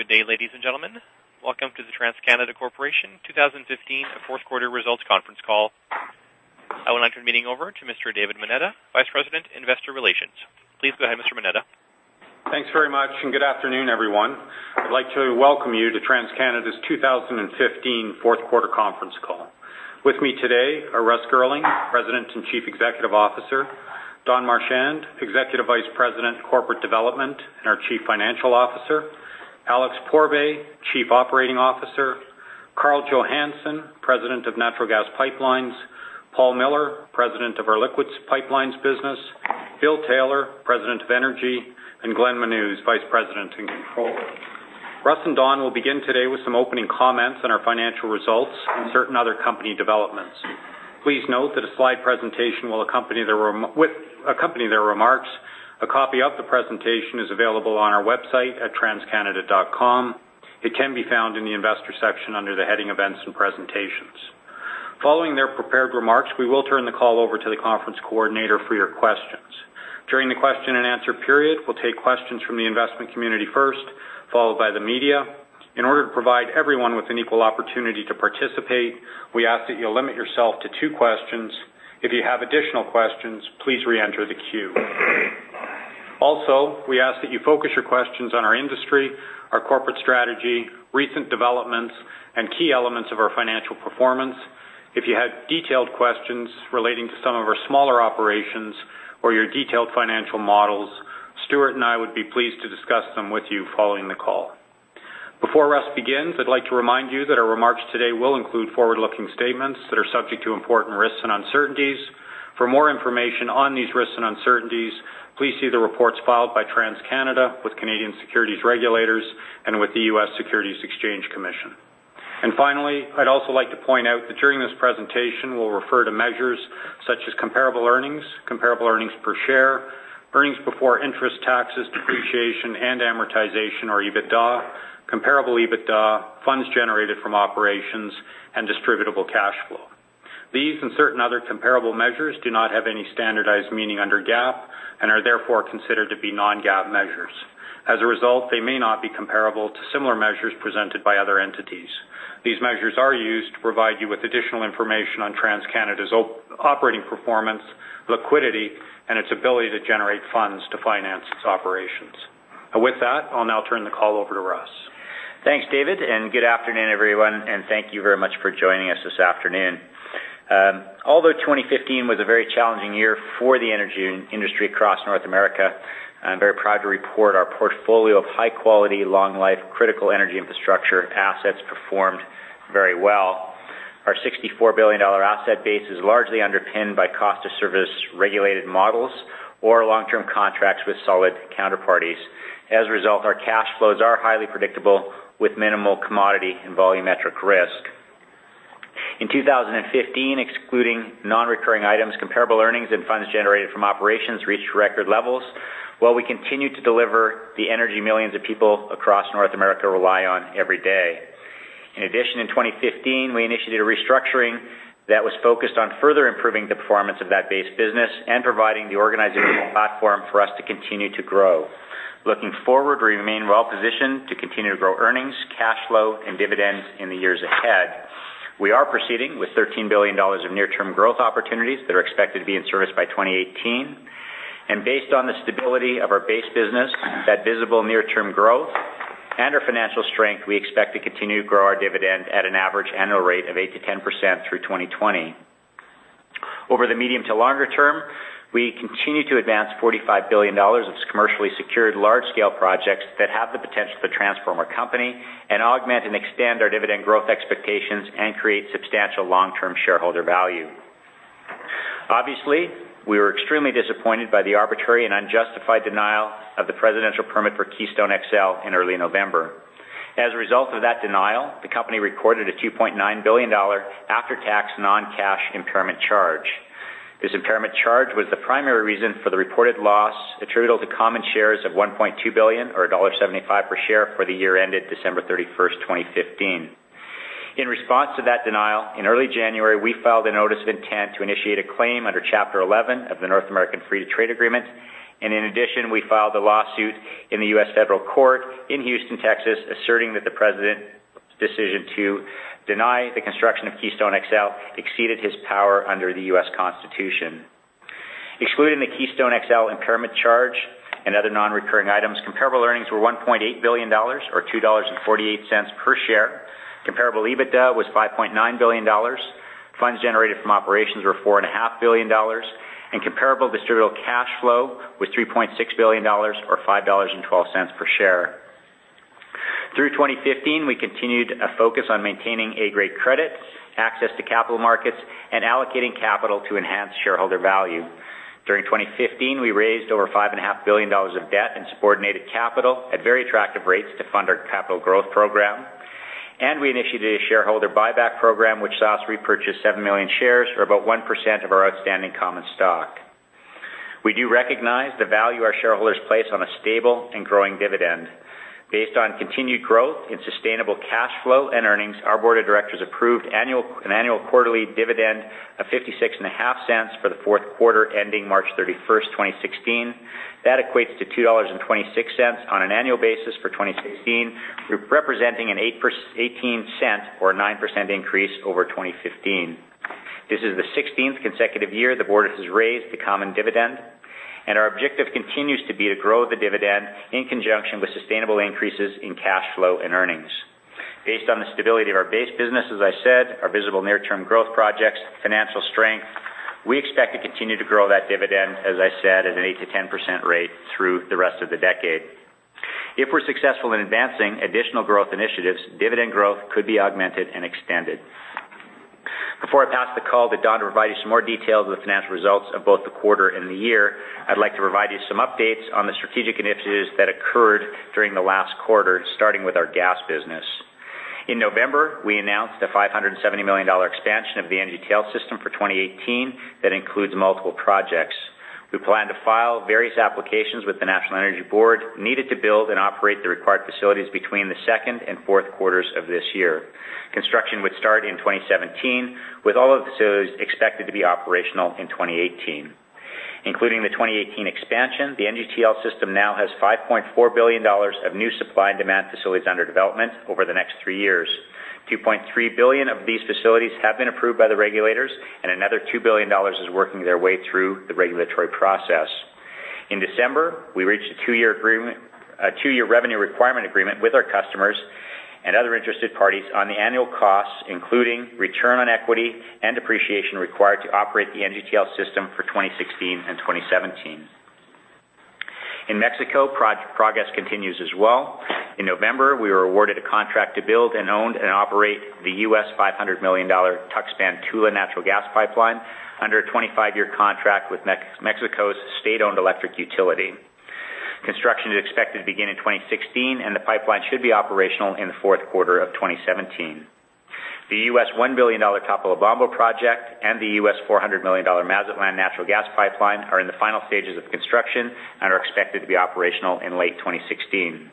Good day, ladies and gentlemen. Welcome to the TransCanada Corporation 2015 fourth quarter results conference call. I want to turn the meeting over to Mr. David Moneta, Vice President, Investor Relations. Please go ahead, Mr. Moneta. Thanks very much. Good afternoon, everyone. I'd like to welcome you to TransCanada's 2015 fourth quarter conference call. With me today are Russ Girling, President and Chief Executive Officer; Don Marchand, Executive Vice President, Corporate Development, and our Chief Financial Officer; Alex Pourbaix, Chief Operating Officer; Karl Johannson, President of Natural Gas Pipelines; Paul Miller, President of our Liquids Pipelines business; Bill Taylor, President of Energy; and Glenn Chaulk, Vice President and Controller. Russ and Don will begin today with some opening comments on our financial results and certain other company developments. Please note that a slide presentation will accompany their remarks. A copy of the presentation is available on our website at transcanada.com. It can be found in the investor section under the heading Events and Presentations. Following their prepared remarks, we will turn the call over to the conference coordinator for your questions. During the question and answer period, we will take questions from the investment community first, followed by the media. In order to provide everyone with an equal opportunity to participate, we ask that you limit yourself to two questions. If you have additional questions, please re-enter the queue. We ask that you focus your questions on our industry, our corporate strategy, recent developments, and key elements of our financial performance. If you have detailed questions relating to some of our smaller operations or your detailed financial models, Stuart and I would be pleased to discuss them with you following the call. Before Russ begins, I'd like to remind you that our remarks today will include forward-looking statements that are subject to important risks and uncertainties. For more information on these risks and uncertainties, please see the reports filed by TransCanada with Canadian securities regulators and with the U.S. Securities and Exchange Commission. Finally, I'd also like to point out that during this presentation, we will refer to measures such as comparable earnings, comparable earnings per share, earnings before interest, taxes, depreciation, and amortization or EBITDA, comparable EBITDA, funds generated from operations, and distributable cash flow. These and certain other comparable measures do not have any standardized meaning under GAAP and are therefore considered to be non-GAAP measures. As a result, they may not be comparable to similar measures presented by other entities. These measures are used to provide you with additional information on TransCanada's operating performance, liquidity, and its ability to generate funds to finance its operations. With that, I'll now turn the call over to Russ. Thanks, David, and good afternoon, everyone, and thank you very much for joining us this afternoon. Although 2015 was a very challenging year for the energy industry across North America, I'm very proud to report our portfolio of high-quality, long-life, critical energy infrastructure assets performed very well. Our 64 billion dollar asset base is largely underpinned by cost-of-service regulated models or long-term contracts with solid counterparties. As a result, our cash flows are highly predictable, with minimal commodity and volumetric risk. In 2015, excluding non-recurring items, comparable earnings and funds generated from operations reached record levels, while we continued to deliver the energy millions of people across North America rely on every day. In 2015, we initiated a restructuring that was focused on further improving the performance of that base business and providing the organizational platform for us to continue to grow. We remain well-positioned to continue to grow earnings, cash flow, and dividends in the years ahead. We are proceeding with 13 billion dollars of near-term growth opportunities that are expected to be in service by 2018. Based on the stability of our base business, that visible near-term growth, and our financial strength, we expect to continue to grow our dividend at an average annual rate of 8%-10% through 2020. Over the medium to longer term, we continue to advance 45 billion dollars of commercially secured large-scale projects that have the potential to transform our company and augment and extend our dividend growth expectations and create substantial long-term shareholder value. Obviously, we were extremely disappointed by the arbitrary and unjustified denial of the presidential permit for Keystone XL in early November. As a result of that denial, the company recorded a 2.9 billion dollar after-tax non-cash impairment charge. This impairment charge was the primary reason for the reported loss attributable to common shares of 1.2 billion, or dollar 1.75 per share, for the year ended December 31st, 2015. In response to that denial, in early January, we filed a notice of intent to initiate a claim under Chapter 11 of the North American Free Trade Agreement. In addition, we filed a lawsuit in the U.S. Federal Court in Houston, Texas, asserting that the president's decision to deny the construction of Keystone XL exceeded his power under the U.S. Constitution. Excluding the Keystone XL impairment charge and other non-recurring items, comparable earnings were 1.8 billion dollars, or 2.48 dollars per share. Comparable EBITDA was 5.9 billion dollars. Funds generated from operations were 4.5 billion dollars, and comparable distributable cash flow was 3.6 billion dollars, or 5.12 dollars per share. Through 2015, we continued a focus on maintaining A-grade credit, access to capital markets, and allocating capital to enhance shareholder value. During 2015, we raised over 5.5 billion dollars of debt and subordinated capital at very attractive rates to fund our capital growth program, and we initiated a shareholder buyback program, which saw us repurchase seven million shares, or about 1% of our outstanding common stock. We do recognize the value our shareholders place on a stable and growing dividend. Based on continued growth in sustainable cash flow and earnings, our board of directors approved an annual quarterly dividend of 0.565 for the fourth quarter ending March 31st, 2016. That equates to 2.26 dollars on an annual basis for 2016, representing a 0.18 or 9% increase over 2015. This is the 16th consecutive year the board has raised the common dividend, our objective continues to be to grow the dividend in conjunction with sustainable increases in cash flow and earnings. Based on the stability of our base business, as I said, our visible near-term growth projects, financial strength, we expect to continue to grow that dividend, as I said, at an 8%-10% rate through the rest of the decade. If we are successful in advancing additional growth initiatives, dividend growth could be augmented and extended. Before I pass the call to Don to provide you some more details of the financial results of both the quarter and the year, I would like to provide you some updates on the strategic initiatives that occurred during the last quarter, starting with our gas business. In November, we announced a 570 million dollar expansion of the NGTL system for 2018 that includes multiple projects. We plan to file various applications with the National Energy Board needed to build and operate the required facilities between the second and fourth quarters of this year. Construction would start in 2017, with all of the facilities expected to be operational in 2018. Including the 2018 expansion, the NGTL system now has 5.4 billion dollars of new supply and demand facilities under development over the next three years, 2.3 billion of these facilities have been approved by the regulators, another 2 billion dollars is working their way through the regulatory process. In December, we reached a two-year revenue requirement agreement with our customers and other interested parties on the annual costs, including return on equity and depreciation required to operate the NGTL system for 2016 and 2017. In Mexico, progress continues as well. In November, we were awarded a contract to build and own and operate the $500 million Tuxpan-Tula natural gas pipeline under a 25-year contract with Mexico's state-owned electric utility. Construction is expected to begin in 2016, the pipeline should be operational in the fourth quarter of 2017. The $1 billion Topolobampo project and the $400 million Mazatlan natural gas pipeline are in the final stages of construction and are expected to be operational in late 2016.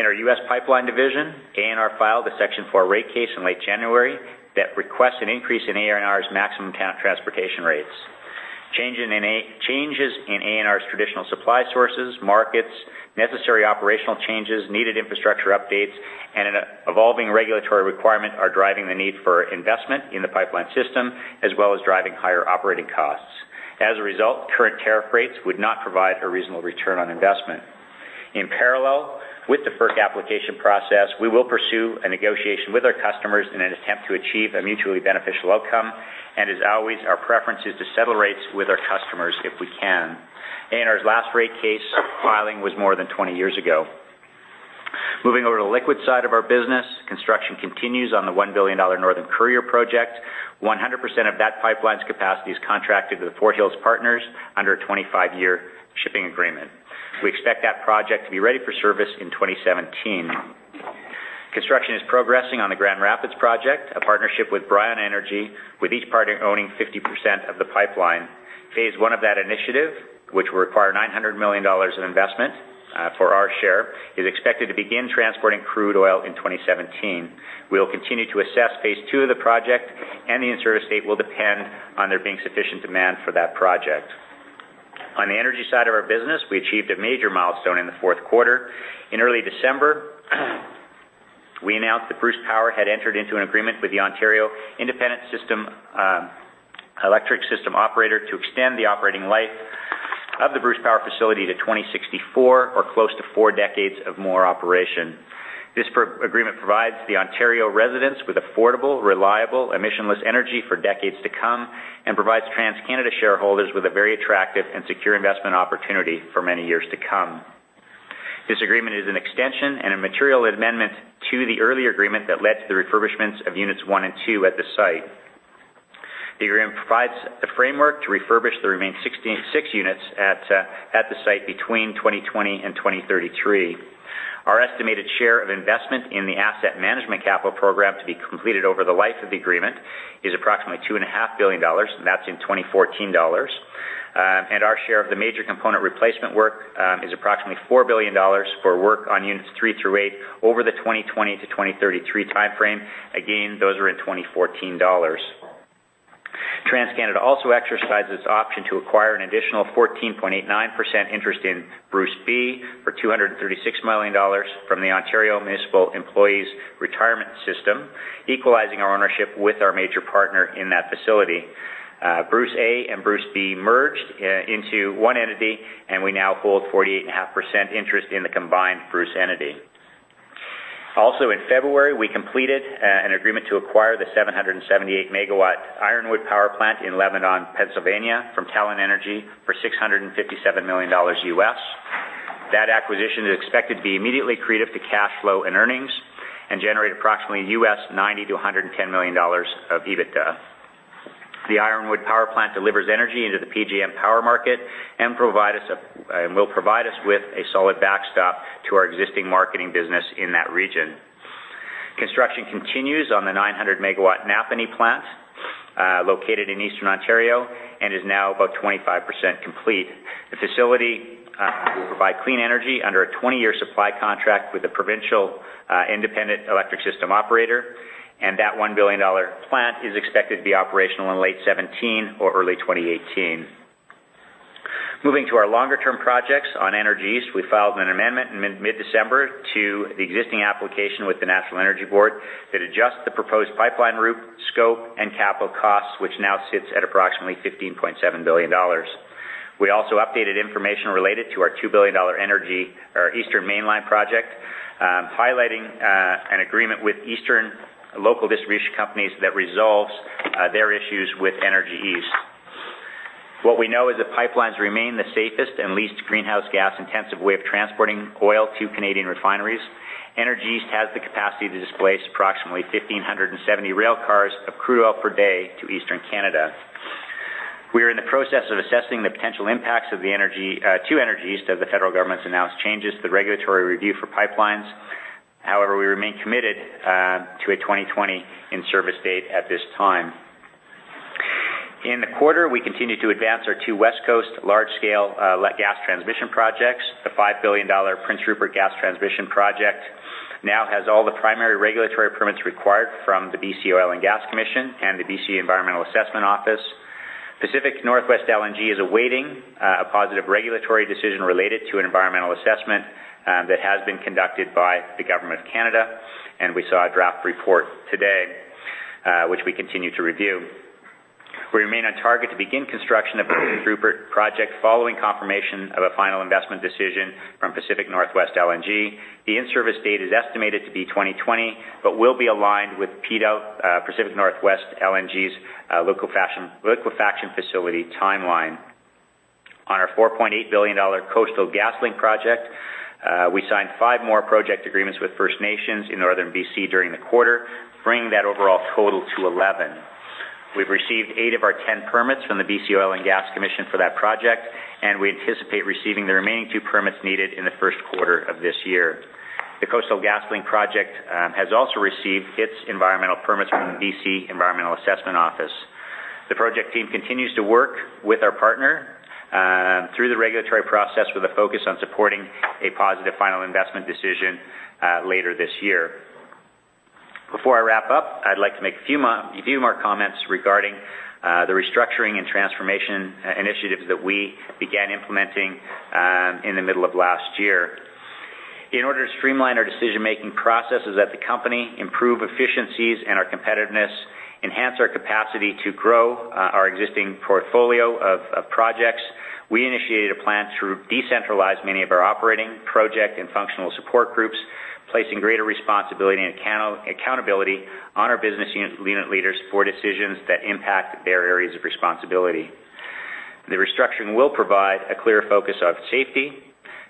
In our U.S. Pipeline division, ANR filed a Section 4 rate case in late January that requests an increase in ANR's maximum transportation rates. Changes in ANR's traditional supply sources, markets, necessary operational changes, needed infrastructure updates, an evolving regulatory requirement are driving the need for investment in the pipeline system, as well as driving higher operating costs. As a result, current tariff rates would not provide a reasonable return on investment. In parallel with the FERC application process, we will pursue a negotiation with our customers in an attempt to achieve a mutually beneficial outcome. As always, our preference is to settle rates with our customers if we can. ANR's last rate case filing was more than 20 years ago. Moving over to the liquid side of our business, construction continues on the 1 billion dollar Northern Courier project. 100% of that pipeline's capacity is contracted with the Fort Hills partners under a 25-year shipping agreement. We expect that project to be ready for service in 2017. Construction is progressing on the Grand Rapids project, a partnership with Brion Energy, with each partner owning 50% of the pipeline. Phase 1 of that initiative, which will require 900 million dollars in investment for our share, is expected to begin transporting crude oil in 2017. We'll continue to assess phase 2 of the project, and the in-service date will depend on there being sufficient demand for that project. On the energy side of our business, we achieved a major milestone in the fourth quarter. In early December, we announced that Bruce Power had entered into an agreement with the Independent Electricity System Operator to extend the operating life of the Bruce Power facility to 2064 or close to four decades of more operation. This agreement provides the Ontario residents with affordable, reliable, emissionless energy for decades to come and provides TransCanada shareholders with a very attractive and secure investment opportunity for many years to come. This agreement is an extension and a material amendment to the earlier agreement that led to the refurbishments of units 1 and 2 at the site. The agreement provides the framework to refurbish the remaining 6 units at the site between 2020 and 2033. Our estimated share of investment in the asset management capital program to be completed over the life of the agreement is approximately 2.5 billion dollars, and that's in 2014 dollars. Our share of the major component replacement work is approximately 4 billion dollars for work on units 3 through 8 over the 2020 to 2033 timeframe. Again, those are in 2014 dollars. TransCanada also exercised its option to acquire an additional 14.89% interest in Bruce B for 236 million dollars from the Ontario Municipal Employees Retirement System, equalizing our ownership with our major partner in that facility. Bruce A and Bruce B merged into 1 entity, and we now hold 48.5% interest in the combined Bruce entity. Also, in February, we completed an agreement to acquire the 778 MW Ironwood Power Plant in Lebanon, Pennsylvania, from Talen Energy for US$657 million. That acquisition is expected to be immediately accretive to cash flow and earnings and generate approximately US$90 million to US$110 million of EBITDA. The Ironwood Power Plant delivers energy into the PJM power market and will provide us with a solid backstop to our existing marketing business in that region. Construction continues on the 900 MW Napanee plant, located in Eastern Ontario and is now about 25% complete. The facility will provide clean energy under a 20-year supply contract with the Independent Electricity System Operator, and that 1 billion dollar plant is expected to be operational in late 2017 or early 2018. Moving to our longer-term projects on Energy East, we filed an amendment in mid-December to the existing application with the National Energy Board that adjusts the proposed pipeline route, scope, and capital costs, which now sits at approximately 15.7 billion dollars. We also updated information related to our 2 billion dollar Eastern Mainline project, highlighting an agreement with Eastern local distribution companies that resolves their issues with Energy East. What we know is that pipelines remain the safest and least greenhouse gas-intensive way of transporting oil to Canadian refineries. Energy East has the capacity to displace approximately 1,570 railcars of crude oil per day to Eastern Canada. We are in the process of assessing the potential impacts to Energy East as the federal government's announced changes to the regulatory review for pipelines. However, we remain committed to a 2020 in-service date at this time. In the quarter, we continued to advance our two West Coast large-scale LNG gas transmission projects. The 5 billion dollar Prince Rupert Gas Transmission project now has all the primary regulatory permits required from the BC Oil and Gas Commission and the BC Environmental Assessment Office. Pacific NorthWest LNG is awaiting a positive regulatory decision related to environmental assessment that has been conducted by the Government of Canada, and we saw a draft report today, which we continue to review. We remain on target to begin construction of the Prince Rupert project following confirmation of a final investment decision from Pacific NorthWest LNG. The in-service date is estimated to be 2020 but will be aligned with PNW, Pacific NorthWest LNG's liquefaction facility timeline. On our 4.8 billion dollar Coastal GasLink project, we signed 5 more project agreements with First Nations in northern B.C. during the quarter, bringing that overall total to 11. We've received 8 of our 10 permits from the BC Oil and Gas Commission for that project, and we anticipate receiving the remaining 2 permits needed in the first quarter of this year. The Coastal GasLink project has also received its environmental permits from the BC Environmental Assessment Office. The project team continues to work with our partner through the regulatory process with a focus on supporting a positive final investment decision later this year. Before I wrap up, I'd like to make a few more comments regarding the restructuring and transformation initiatives that we began implementing in the middle of last year. In order to streamline our decision-making processes at the company, improve efficiencies and our competitiveness, enhance our capacity to grow our existing portfolio of projects, we initiated a plan to decentralize many of our operating, project, and functional support groups, placing greater responsibility and accountability on our business unit leaders for decisions that impact their areas of responsibility. The restructuring will provide a clear focus on safety,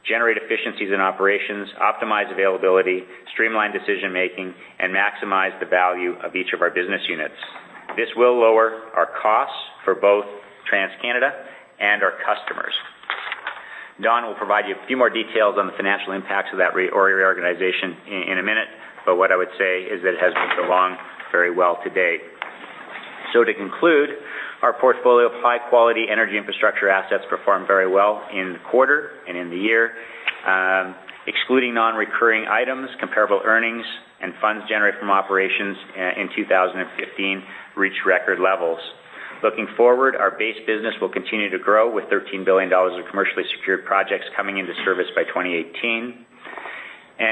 generate efficiencies in operations, optimize availability, streamline decision-making, and maximize the value of each of our business units. This will lower our costs for both TransCanada and our customers. Don will provide you a few more details on the financial impacts of that reorganization in a minute, but what I would say is that it has moved along very well to date. To conclude, our portfolio of high-quality energy infrastructure assets performed very well in the quarter and in the year. Excluding non-recurring items, comparable earnings, and funds generated from operations in 2015 reached record levels. Looking forward, our base business will continue to grow, with 13 billion dollars of commercially secured projects coming into service by 2018.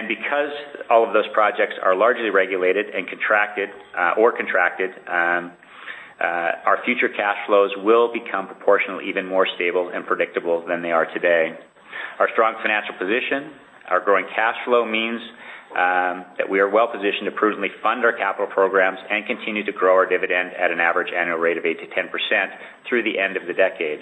Because all of those projects are largely regulated or contracted, our future cash flows will become proportionally even more stable and predictable than they are today. Our strong financial position, our growing cash flow means that we are well-positioned to prudently fund our capital programs and continue to grow our dividend at an average annual rate of 8%-10% through the end of the decade.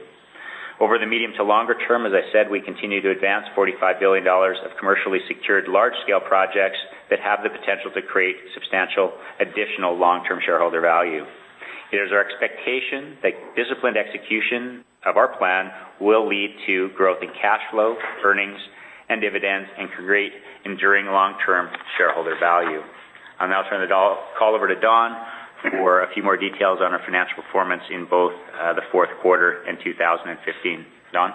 Over the medium to longer term, as I said, we continue to advance 45 billion dollars of commercially secured large-scale projects that have the potential to create substantial additional long-term shareholder value. It is our expectation that disciplined execution of our plan will lead to growth in cash flow, earnings, and dividends and create enduring long-term shareholder value. I'll now turn the call over to Don for a few more details on our financial performance in both the fourth quarter and 2015. Don?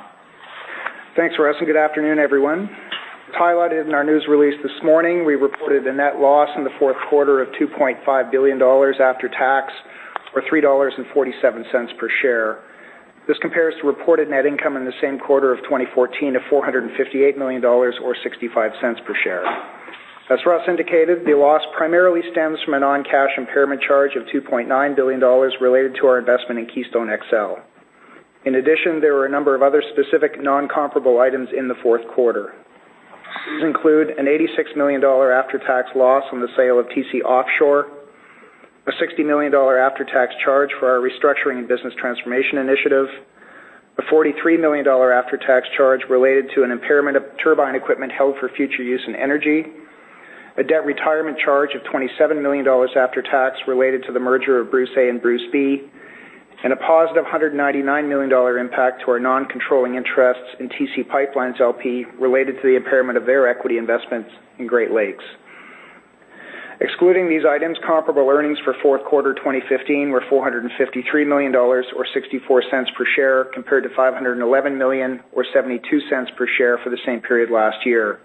Thanks, Russ. Good afternoon, everyone. Highlighted in our news release this morning, we reported a net loss in the fourth quarter of 2.5 billion dollars after tax or 3.47 dollars per share. This compares to reported net income in the same quarter of 2014 of 458 million dollars or 0.65 per share. As Russ indicated, the loss primarily stems from a non-cash impairment charge of 2.9 billion dollars related to our investment in Keystone XL. In addition, there were a number of other specific non-comparable items in the fourth quarter. These include an 86 million dollar after-tax loss on the sale of TC Offshore, a 60 million dollar after-tax charge for our restructuring and business transformation initiative, a 43 million dollar after-tax charge related to an impairment of turbine equipment held for future use in energy, a debt retirement charge of 27 million dollars after tax related to the merger of Bruce A and Bruce B, and a positive 199 million dollar impact to our non-controlling interests in TC PipeLines, LP related to the impairment of their equity investments in Great Lakes. Excluding these items, comparable earnings for fourth quarter 2015 were 453 million dollars, or 0.64 per share, compared to 511 million or 0.72 per share for the same period last year.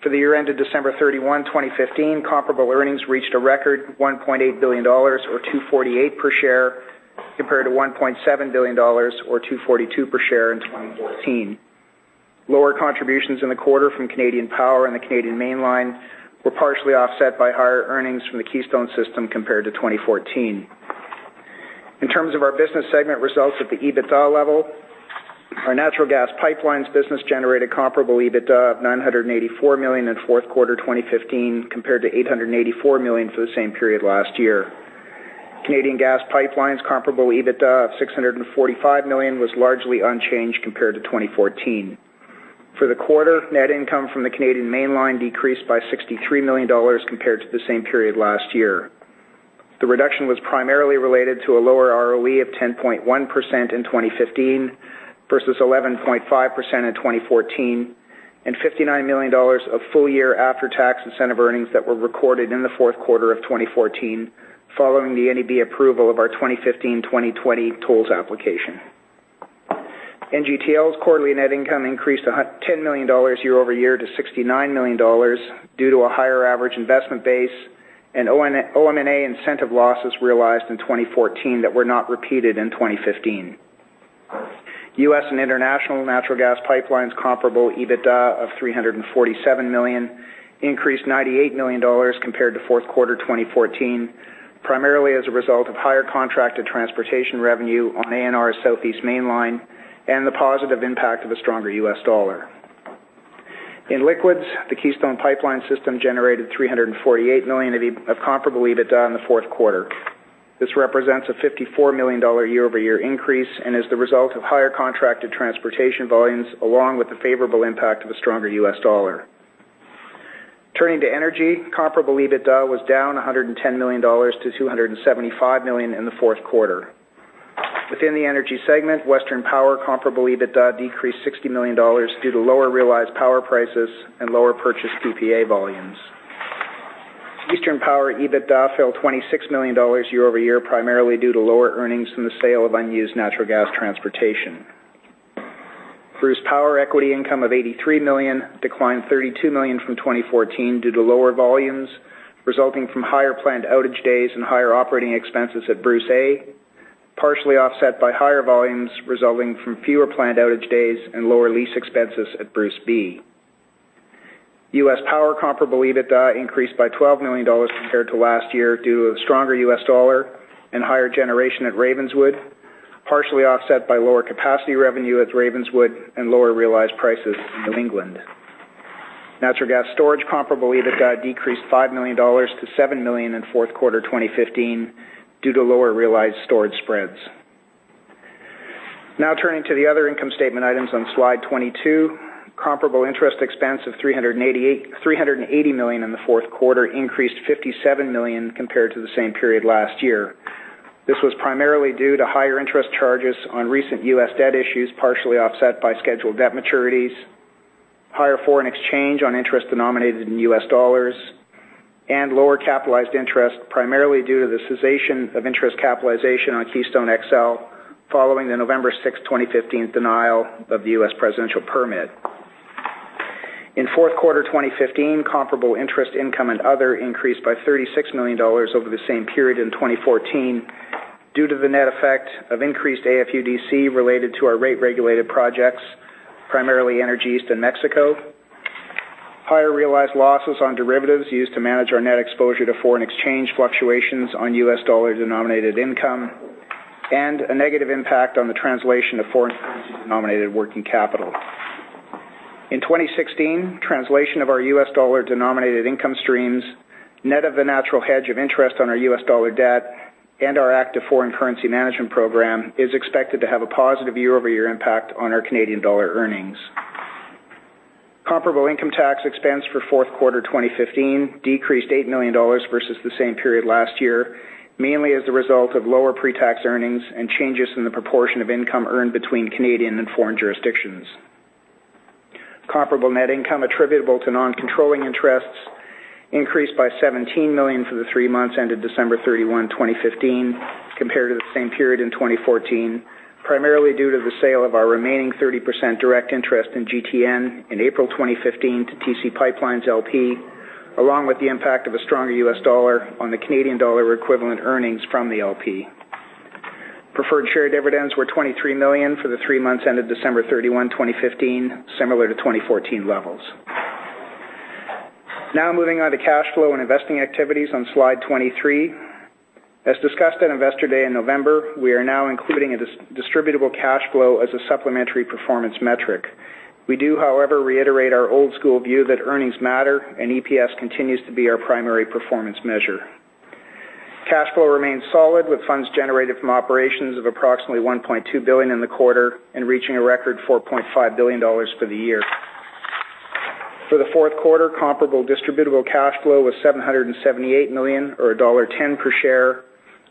For the year ended December 31, 2015, comparable earnings reached a record 1.8 billion dollars, or 2.48 per share, compared to 1.7 billion dollars or 2.42 per share in 2014. Lower contributions in the quarter from Canadian Power and the Canadian Mainline were partially offset by higher earnings from the Keystone system compared to 2014. In terms of our business segment results at the EBITDA level, our Natural Gas Pipelines business generated comparable EBITDA of CAD 784 million in fourth quarter 2015 compared to CAD 884 million for the same period last year. Canadian Gas Pipelines comparable EBITDA of CAD 645 million was largely unchanged compared to 2014. For the quarter, net income from the Canadian Mainline decreased by 63 million dollars compared to the same period last year. The reduction was primarily related to a lower ROE of 10.1% in 2015 versus 11.5% in 2014, and 59 million dollars of full-year after-tax incentive earnings that were recorded in the fourth quarter of 2014, following the NEB approval of our 2015-2020 tolls application. NGTL's quarterly net income increased to 10 million dollars year-over-year to 69 million dollars due to a higher average investment base and OM&A incentive losses realized in 2014 that were not repeated in 2015. U.S. and International Natural Gas Pipelines comparable EBITDA of 347 million increased 98 million dollars compared to fourth quarter 2014, primarily as a result of higher contracted transportation revenue on ANR's Southeast Main Line and the positive impact of a stronger U.S. dollar. In Liquids, the Keystone Pipeline System generated 348 million of comparable EBITDA in the fourth quarter. This represents a 54 million dollar year-over-year increase and is the result of higher contracted transportation volumes along with the favorable impact of a stronger U.S. dollar. Turning to Energy, comparable EBITDA was down 110 million dollars to 275 million in the fourth quarter. Within the energy segment, Western Power comparable EBITDA decreased CAD 60 million due to lower realized power prices and lower purchase PPA volumes. Eastern Power EBITDA fell 26 million dollars year-over-year, primarily due to lower earnings from the sale of unused natural gas transportation. Bruce Power equity income of 83 million declined 32 million from 2014 due to lower volumes resulting from higher planned outage days and higher operating expenses at Bruce A, partially offset by higher volumes resulting from fewer planned outage days and lower lease expenses at Bruce B. U.S. Power comparable EBITDA increased by CAD 12 million compared to last year due to a stronger U.S. dollar and higher generation at Ravenswood, partially offset by lower capacity revenue at Ravenswood and lower realized prices in New England. Natural Gas Storage comparable EBITDA decreased 5 million dollars to 7 million in fourth quarter 2015 due to lower realized storage spreads. Now turning to the other income statement items on slide 22. Comparable interest expense of 380 million in the fourth quarter increased 57 million compared to the same period last year. This was primarily due to higher interest charges on recent U.S. debt issues, partially offset by scheduled debt maturities, higher foreign exchange on interest denominated in U.S. dollars, and lower capitalized interest, primarily due to the cessation of interest capitalization on Keystone XL following the November 6th, 2015, denial of the U.S. presidential permit. In fourth quarter 2015, comparable interest income and other increased by 36 million dollars over the same period in 2014 due to the net effect of increased AFUDC related to our rate-regulated projects, primarily Energy East and Mexico. Higher realized losses on derivatives used to manage our net exposure to foreign exchange fluctuations on U.S. dollar-denominated income, and a negative impact on the translation of foreign currency-denominated working capital. In 2016, translation of our U.S. dollar-denominated income streams, net of the natural hedge of interest on our U.S. dollar debt and our active foreign currency management program, is expected to have a positive year-over-year impact on our Canadian dollar earnings. Comparable income tax expense for fourth quarter 2015 decreased CAD 8 million versus the same period last year, mainly as a result of lower pre-tax earnings and changes in the proportion of income earned between Canadian and foreign jurisdictions. Comparable net income attributable to non-controlling interests increased by 17 million for the three months ended December 31, 2015, compared to the same period in 2014, primarily due to the sale of our remaining 30% direct interest in GTN in April 2015 to TC PipeLines, LP, along with the impact of a stronger U.S. dollar on the Canadian dollar equivalent earnings from the LP. Preferred shared dividends were 23 million for the three months ended December 31, 2015, similar to 2014 levels. Moving on to cash flow and investing activities on slide 23. As discussed at Investor Day in November, we are now including distributable cash flow as a supplementary performance metric. We do, however, reiterate our old-school view that earnings matter and EPS continues to be our primary performance measure. Cash flow remains solid with funds generated from operations of approximately 1.2 billion in the quarter and reaching a record 4.5 billion dollars for the year. For the fourth quarter, comparable distributable cash flow was 778 million or dollar 1.10 per share.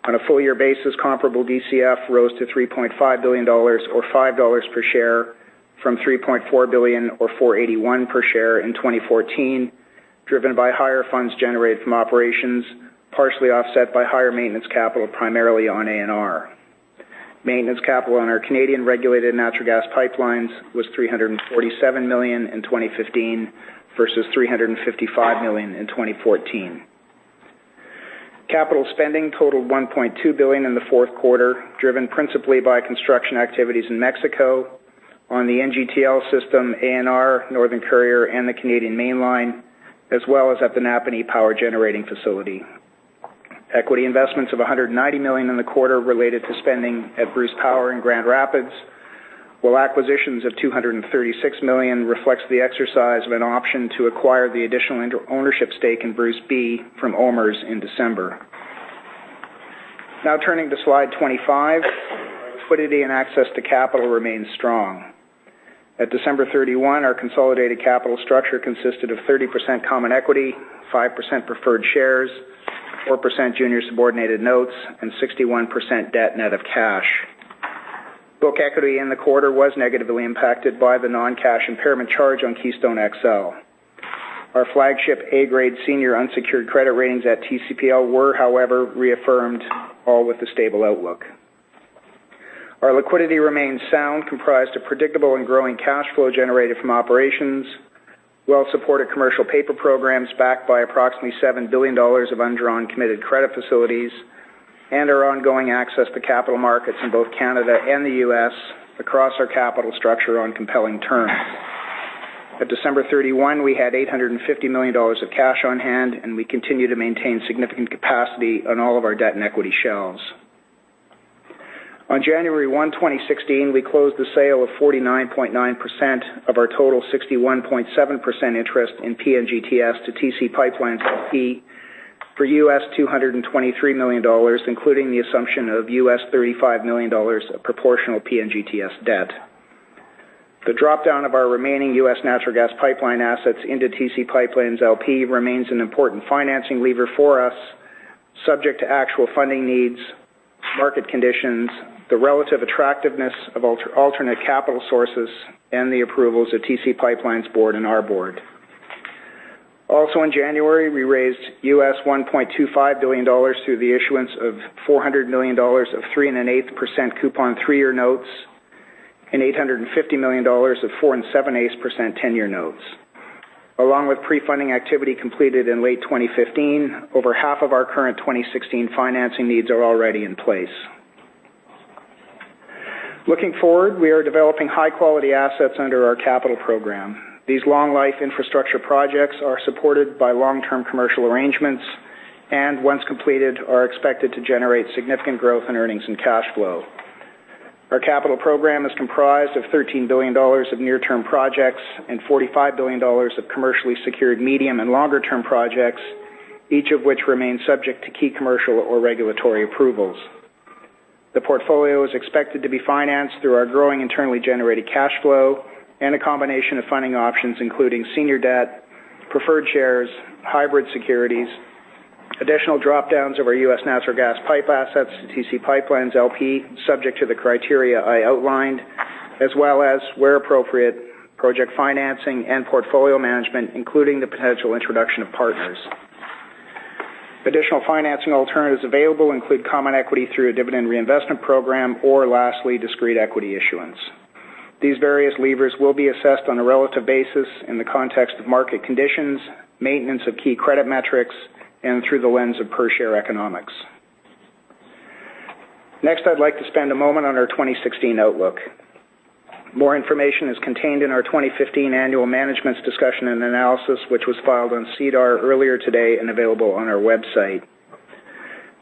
On a full-year basis, comparable DCF rose to 3.5 billion dollars or 5 dollars per share from 3.4 billion or 4.81 per share in 2014, driven by higher funds generated from operations, partially offset by higher maintenance capital, primarily on ANR. Maintenance capital on our Canadian regulated natural gas pipelines was 347 million in 2015 versus 355 million in 2014. Capital spending totaled 1.2 billion in the fourth quarter, driven principally by construction activities in Mexico on the NGTL system, ANR, Northern Courier Pipeline, and the Canadian Mainline, as well as at the Napanee Power generating facility. Equity investments of 190 million in the quarter related to spending at Bruce Power in Grand Rapids Pipeline, while acquisitions of 236 million reflects the exercise of an option to acquire the additional ownership stake in Bruce B from OMERS in December. Turning to slide 25. Our liquidity and access to capital remains strong. At December 31, our consolidated capital structure consisted of 30% common equity, 5% preferred shares, 4% junior subordinated notes, and 61% debt net of cash. Book equity in the quarter was negatively impacted by the non-cash impairment charge on Keystone XL. Our flagship A grade senior unsecured credit ratings at TCPL were, however, reaffirmed, all with a stable outlook. Our liquidity remains sound, comprised of predictable and growing cash flow generated from operations, well-supported commercial paper programs backed by approximately 7 billion dollars of undrawn committed credit facilities, and our ongoing access to capital markets in both Canada and the U.S. across our capital structure on compelling terms. At December 31, we had 850 million dollars of cash on hand, and we continue to maintain significant capacity on all of our debt and equity shelves. On January 1, 2016, we closed the sale of 49.9% of our total 61.7% interest in PNGTS to TC PipeLines, LP for $223 million, including the assumption of $35 million of proportional PNGTS debt. The dropdown of our remaining U.S. natural gas pipeline assets into TC PipeLines, LP remains an important financing lever for us, subject to actual funding needs, market conditions, the relative attractiveness of alternate capital sources, and the approvals of TC PipeLines' board and our board. Also in January, we raised $1.25 billion through the issuance of $400 million of 3.875% coupon three-year notes and $850 million of 4.875% 10-year notes. Along with pre-funding activity completed in late 2015, over half of our current 2016 financing needs are already in place. Looking forward, we are developing high-quality assets under our capital program. These long-life infrastructure projects are supported by long-term commercial arrangements, and once completed, are expected to generate significant growth in earnings and cash flow. Our capital program is comprised of 13 billion dollars of near-term projects and 45 billion dollars of commercially secured medium and longer-term projects, each of which remains subject to key commercial or regulatory approvals. The portfolio is expected to be financed through our growing internally generated cash flow and a combination of funding options, including senior debt, preferred shares, hybrid securities, additional dropdowns of our U.S. natural gas pipe assets to TC PipeLines, LP, subject to the criteria I outlined, as well as, where appropriate, project financing and portfolio management, including the potential introduction of partners. Additional financing alternatives available include common equity through a dividend reinvestment program, or lastly, discrete equity issuance. These various levers will be assessed on a relative basis in the context of market conditions, maintenance of key credit metrics, and through the lens of per-share economics. Next, I'd like to spend a moment on our 2016 outlook. More information is contained in our 2015 annual management's discussion and analysis, which was filed on SEDAR earlier today and available on our website.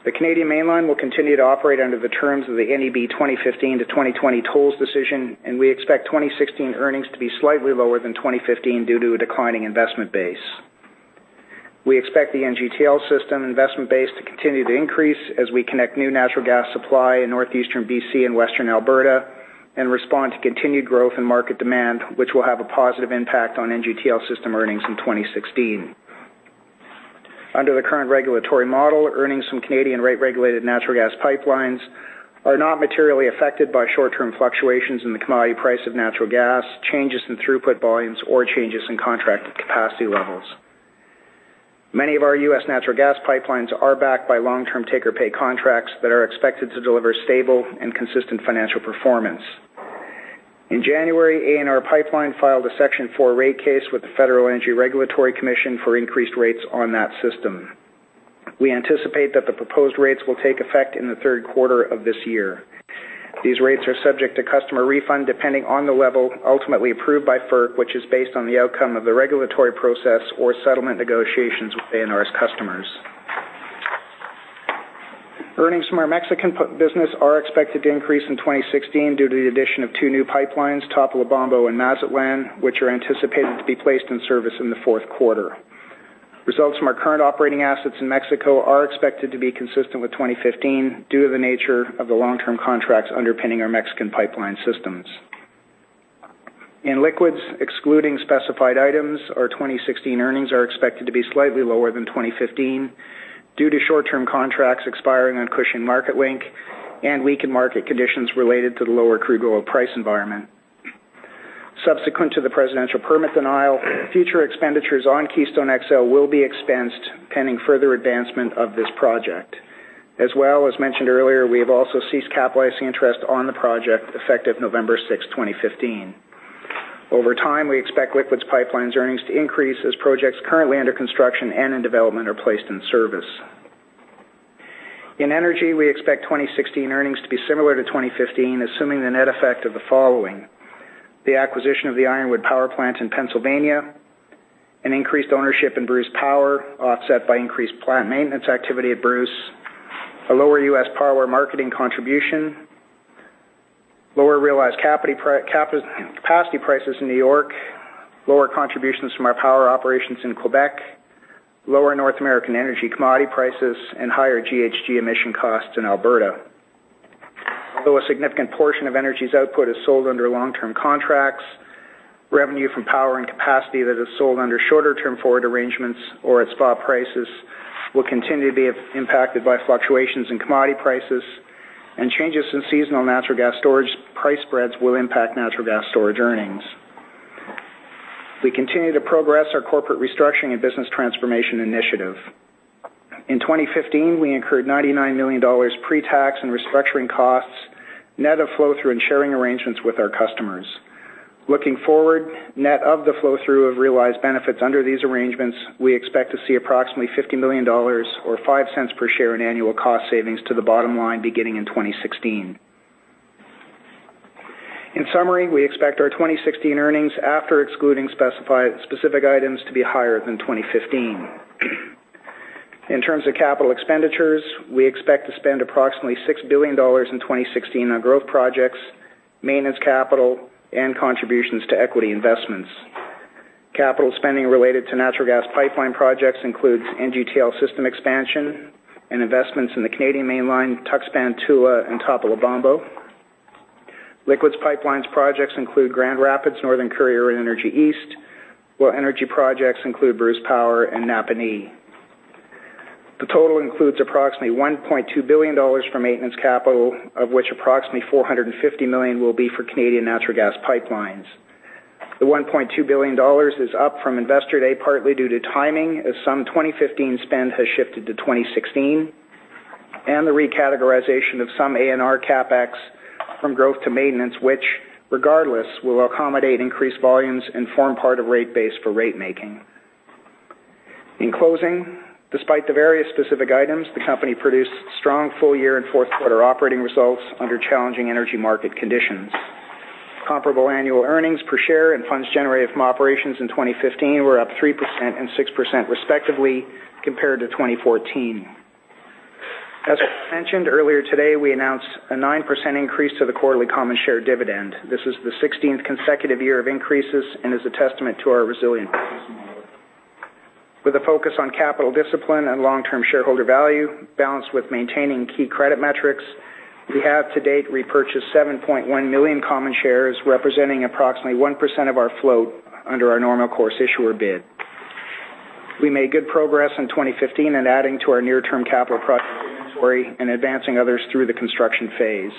The Canadian Mainline will continue to operate under the terms of the NEB 2015 to 2020 tolls decision, and we expect 2016 earnings to be slightly lower than 2015 due to a declining investment base. We expect the NGTL system investment base to continue to increase as we connect new natural gas supply in northeastern B.C. and Western Alberta and respond to continued growth in market demand, which will have a positive impact on NGTL system earnings in 2016. Under the current regulatory model, earnings from Canadian rate-regulated natural gas pipelines are not materially affected by short-term fluctuations in the commodity price of natural gas, changes in throughput volumes, or changes in contracted capacity levels. Many of our U.S. natural gas pipelines are backed by long-term take-or-pay contracts that are expected to deliver stable and consistent financial performance. In January, ANR Pipeline filed a Section 4 rate case with the Federal Energy Regulatory Commission for increased rates on that system. We anticipate that the proposed rates will take effect in the third quarter of this year. These rates are subject to customer refund, depending on the level ultimately approved by FERC, which is based on the outcome of the regulatory process or settlement negotiations with ANR's customers. Earnings from our Mexican business are expected to increase in 2016 due to the addition of two new pipelines, Topolobampo and Mazatlan, which are anticipated to be placed in service in the fourth quarter. Results from our current operating assets in Mexico are expected to be consistent with 2015 due to the nature of the long-term contracts underpinning our Mexican pipeline systems. In liquids, excluding specified items, our 2016 earnings are expected to be slightly lower than 2015 due to short-term contracts expiring on Cushing MarketLink and weakened market conditions related to the lower crude oil price environment. Subsequent to the presidential permit denial, future expenditures on Keystone XL will be expensed pending further advancement of this project. As mentioned earlier, we have also ceased capitalizing interest on the project effective November 6, 2015. Over time, we expect liquids pipelines earnings to increase as projects currently under construction and in development are placed in service. In energy, we expect 2016 earnings to be similar to 2015, assuming the net effect of the following: The acquisition of the Ironwood Power Plant in Pennsylvania, an increased ownership in Bruce Power, offset by increased plant maintenance activity at Bruce, a lower U.S. power marketing contribution, lower realized capacity prices in New York, lower contributions from our power operations in Quebec, lower North American energy commodity prices, and higher GHG emission costs in Alberta. A significant portion of energy's output is sold under long-term contracts, revenue from power and capacity that is sold under shorter-term forward arrangements or at spot prices will continue to be impacted by fluctuations in commodity prices, and changes in seasonal natural gas storage price spreads will impact natural gas storage earnings. We continue to progress our corporate restructuring and business transformation initiative. In 2015, we incurred 99 million dollars pre-tax in restructuring costs, net of flow-through and sharing arrangements with our customers. Looking forward, net of the flow-through of realized benefits under these arrangements, we expect to see approximately 50 million dollars or 0.05 per share in annual cost savings to the bottom line beginning in 2016. We expect our 2016 earnings, after excluding specific items, to be higher than 2015. In terms of capital expenditures, we expect to spend approximately 6 billion dollars in 2016 on growth projects, maintenance capital, and contributions to equity investments. Capital spending related to natural gas pipeline projects includes NGTL system expansion and investments in the Canadian Mainline, Tuxpan, Tula, and Topolobampo. Liquids pipelines projects include Grand Rapids, Northern Courier, and Energy East, while energy projects include Bruce Power and Napanee. The total includes approximately 1.2 billion dollars from maintenance capital, of which approximately 450 million will be for Canadian natural gas pipelines. The 1.2 billion dollars is up from Investor Day, partly due to timing, as some 2015 spend has shifted to 2016, and the recategorization of some ANR CapEx from growth to maintenance, which regardless, will accommodate increased volumes and form part of rate base for rate-making. Despite the various specific items, the company produced strong full-year and fourth-quarter operating results under challenging energy market conditions. Comparable annual earnings per share and funds generated from operations in 2015 were up 3% and 6% respectively compared to 2014. As mentioned earlier today, we announced a 9% increase to the quarterly common share dividend. This is the 16th consecutive year of increases and is a testament to our resilience. With a focus on capital discipline and long-term shareholder value, balanced with maintaining key credit metrics, we have to date repurchased 7.1 million common shares, representing approximately 1% of our float under our normal course issuer bid. We made good progress in 2015 in adding to our near-term capital project inventory and advancing others through the construction phase.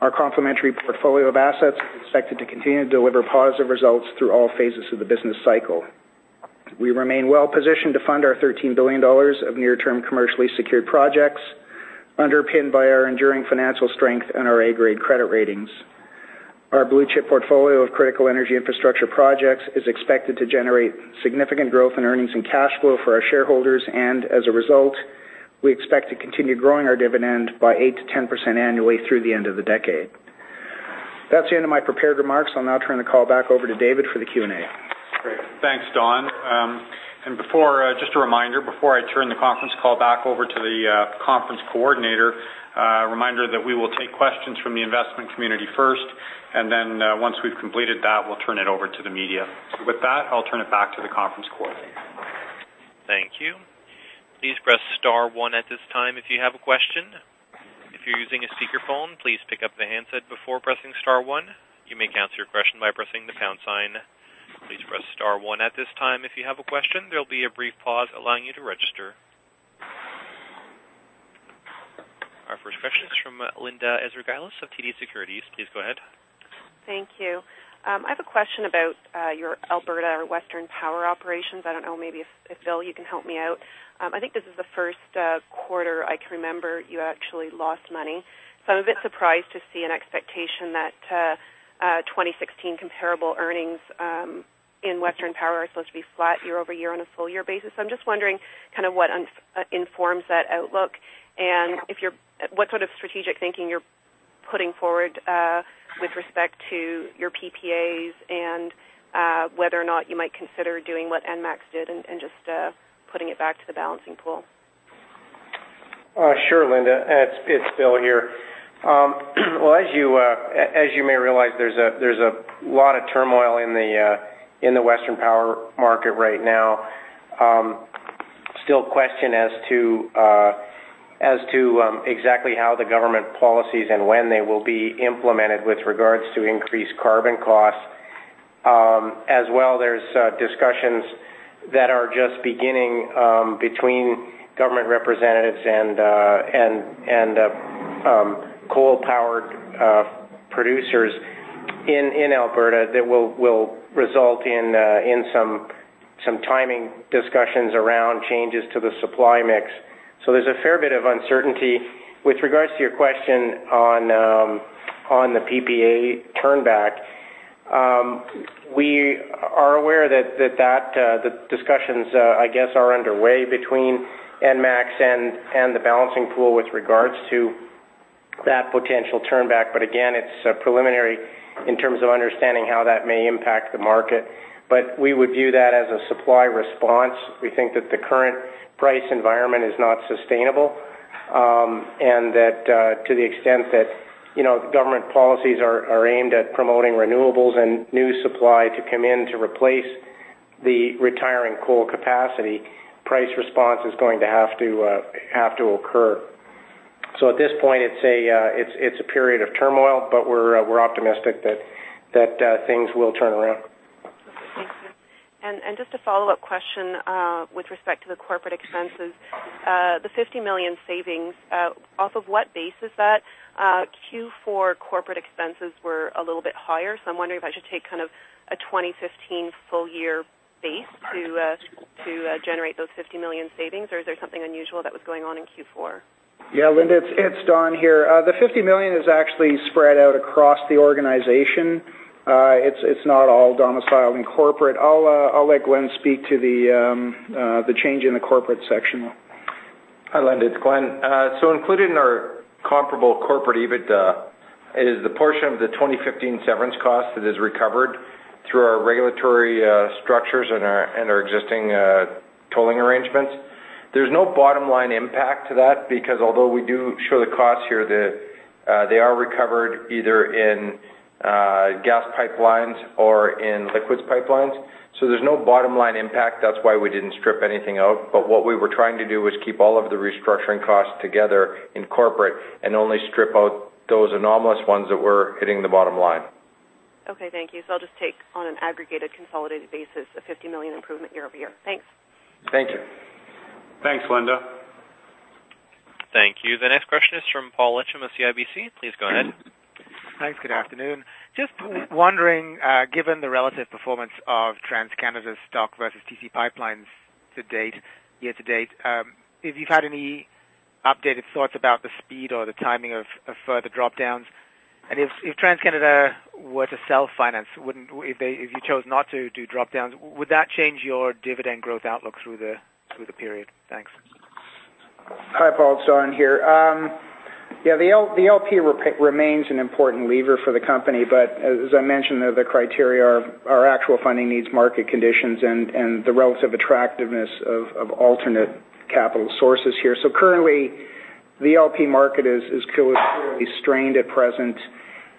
Our complementary portfolio of assets is expected to continue to deliver positive results through all phases of the business cycle. We remain well-positioned to fund our 13 billion dollars of near-term commercially secured projects, underpinned by our enduring financial strength and our A-grade credit ratings. Our blue-chip portfolio of critical energy infrastructure projects is expected to generate significant growth in earnings and cash flow for our shareholders, as a result, we expect to continue growing our dividend by 8%-10% annually through the end of the decade. That's the end of my prepared remarks. I'll now turn the call back over to David for the Q&A. Great. Thanks, Don. Just a reminder, before I turn the conference call back over to the conference coordinator, a reminder that we will take questions from the investment community first, once we've completed that, we'll turn it over to the media. With that, I'll turn it back to the conference coordinator. Thank you. Please press star one at this time if you have a question. If you're using a speakerphone, please pick up the handset before pressing star one. You may cancel your question by pressing the pound sign. Please press star one at this time if you have a question. There'll be a brief pause allowing you to register. Our first question is from Linda Ezergailis of TD Securities. Please go ahead. Thank you. I have a question about your Alberta or Western Power operations. I don't know, maybe if, Bill, you can help me out. I think this is the first quarter I can remember you actually lost money, I'm a bit surprised to see an expectation that 2016 comparable earnings in Western Power are supposed to be flat year-over-year on a full-year basis. I'm just wondering what informs that outlook, and what sort of strategic thinking you're putting forward with respect to your PPAs and whether or not you might consider doing what ENMAX did and just putting it back to the Balancing Pool. Sure, Linda. It's Bill here. Well, as you may realize, there's a lot of turmoil in the Western Power market right now. Still question as to exactly how the government policies and when they will be implemented with regards to increased carbon costs. As well, there's discussions that are just beginning between government representatives and coal-powered producers in Alberta that will result in some timing discussions around changes to the supply mix. There's a fair bit of uncertainty. With regards to your question on the PPA turn back, we are aware that the discussions, I guess, are underway between ENMAX and the Balancing Pool with regards to that potential turn back. Again, it's preliminary in terms of understanding how that may impact the market. We would view that as a supply response. We think that the current price environment is not sustainable, and that to the extent that government policies are aimed at promoting renewables and new supply to come in to replace the retiring coal capacity, price response is going to have to occur. At this point, it's a period of turmoil, but we're optimistic that things will turn around. Okay. Thank you. Just a follow-up question, with respect to the corporate expenses. The 50 million savings, off of what base is that? Q4 corporate expenses were a little bit higher, so I am wondering if I should take a 2015 full-year base to generate those 50 million savings, is there something unusual that was going on in Q4? Yeah, Linda, it is Don here. The 50 million is actually spread out across the organization. It is not all domiciled in corporate. I will let Glenn speak to the change in the corporate section. Hi, Linda. It is Glenn. Included in our comparable corporate EBITDA is the portion of the 2015 severance cost that is recovered through our regulatory structures and our existing tolling arrangements. There is no bottom-line impact to that because although we do show the costs here, they are recovered either in gas pipelines or in liquids pipelines. There is no bottom-line impact. That is why we did not strip anything out. What we were trying to do was keep all of the restructuring costs together in corporate and only strip out those anomalous ones that were hitting the bottom line. Okay. Thank you. I will just take on an aggregated, consolidated basis, a 50 million improvement year-over-year. Thanks. Thank you. Thanks, Linda. Thank you. The next question is from Paul Lechem of CIBC. Please go ahead. Thanks. Good afternoon. Just wondering, given the relative performance of TransCanada stock versus TC PipeLines year-to-date, if you've had any updated thoughts about the speed or the timing of further drop-downs. If TransCanada were to self-finance, if you chose not to do drop-downs, would that change your dividend growth outlook through the period? Thanks. Hi, Paul. It's Don here. The LP remains an important lever for the company, but as I mentioned, the criteria are actual funding needs, market conditions, and the relative attractiveness of alternate capital sources here. Currently, the LP market is clearly strained at present,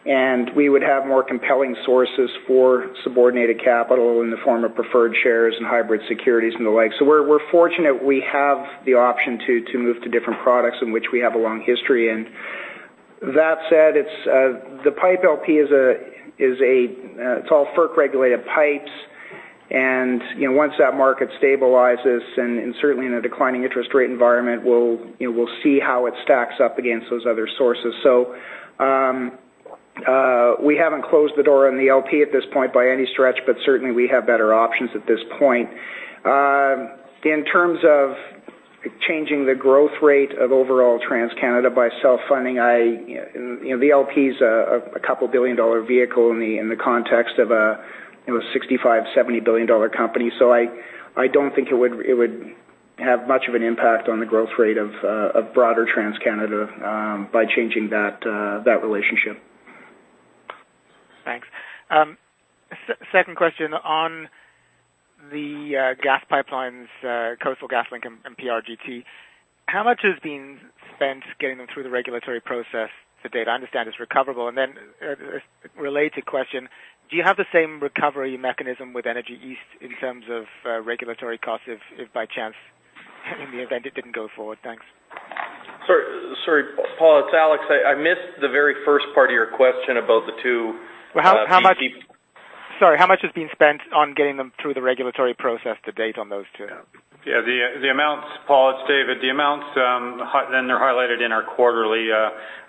and we would have more compelling sources for subordinated capital in the form of preferred shares and hybrid securities and the like. We're fortunate we have the option to move to different products in which we have a long history in. That said, the pipe LP, it's all FERC-regulated pipes, and once that market stabilizes and certainly in a declining interest rate environment, we'll see how it stacks up against those other sources. We haven't closed the door on the LP at this point by any stretch, but certainly, we have better options at this point. In terms of changing the growth rate of overall TransCanada by self-funding, the LP's a couple billion-dollar vehicle in the context of a 65 billion dollar, 70 billion dollar company. I don't think it would have much of an impact on the growth rate of broader TransCanada by changing that relationship. Thanks. Second question on the gas pipelines, Coastal GasLink and PRGT. How much has been spent getting them through the regulatory process to date? I understand it's recoverable. A related question, do you have the same recovery mechanism with Energy East in terms of regulatory costs if by chance, in the event it didn't go forward? Thanks. Sorry, Paul, it's Alex. I missed the very first part of your question about the two GP- Sorry, how much has been spent on getting them through the regulatory process to date on those two? Yeah. Paul, it's David. The amounts, and they're highlighted in our quarterly,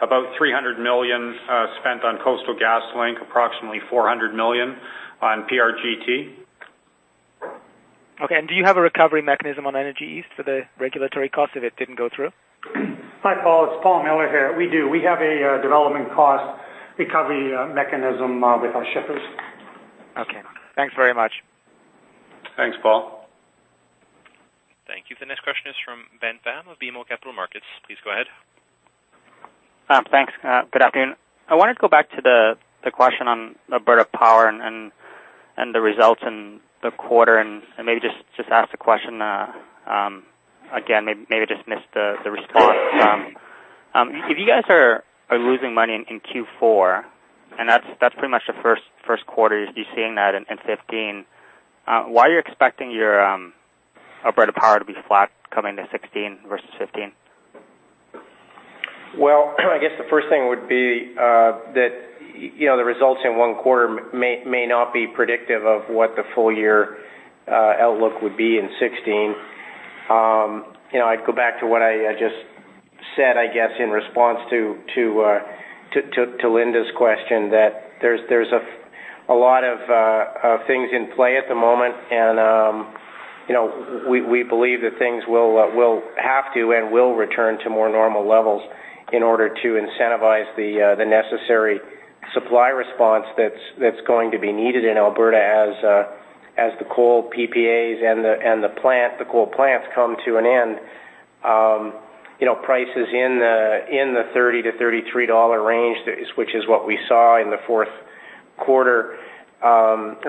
about 300 million spent on Coastal GasLink, approximately 400 million on PRGT. Okay. Do you have a recovery mechanism on Energy East for the regulatory cost if it didn't go through? Hi, Paul. It's Paul Miller here. We do. We have a development cost recovery mechanism with our shippers. Okay. Thanks very much. Thanks, Paul. Thank you. The next question is from Ben Pham of BMO Capital Markets. Please go ahead. Thanks. Good afternoon. I wanted to go back to the question on Alberta Power and the results in the quarter, and maybe just ask the question again. Maybe I just missed the response. If you guys are losing money in Q4, and that's pretty much the first quarter you'd be seeing that in 2015, why are you expecting your Alberta Power to be flat coming to 2016 versus 2015? Well, I guess the first thing would be that the results in one quarter may not be predictive of what the full-year outlook would be in 2016. I'd go back to what I just said, I guess, in response to Linda's question that there's a lot of things in play at the moment. We believe that things will have to and will return to more normal levels in order to incentivize the necessary supply response that's going to be needed in Alberta as the coal PPAs and the coal plants come to an end. Prices in the 30 to 33 dollar range, which is what we saw in the fourth quarter, or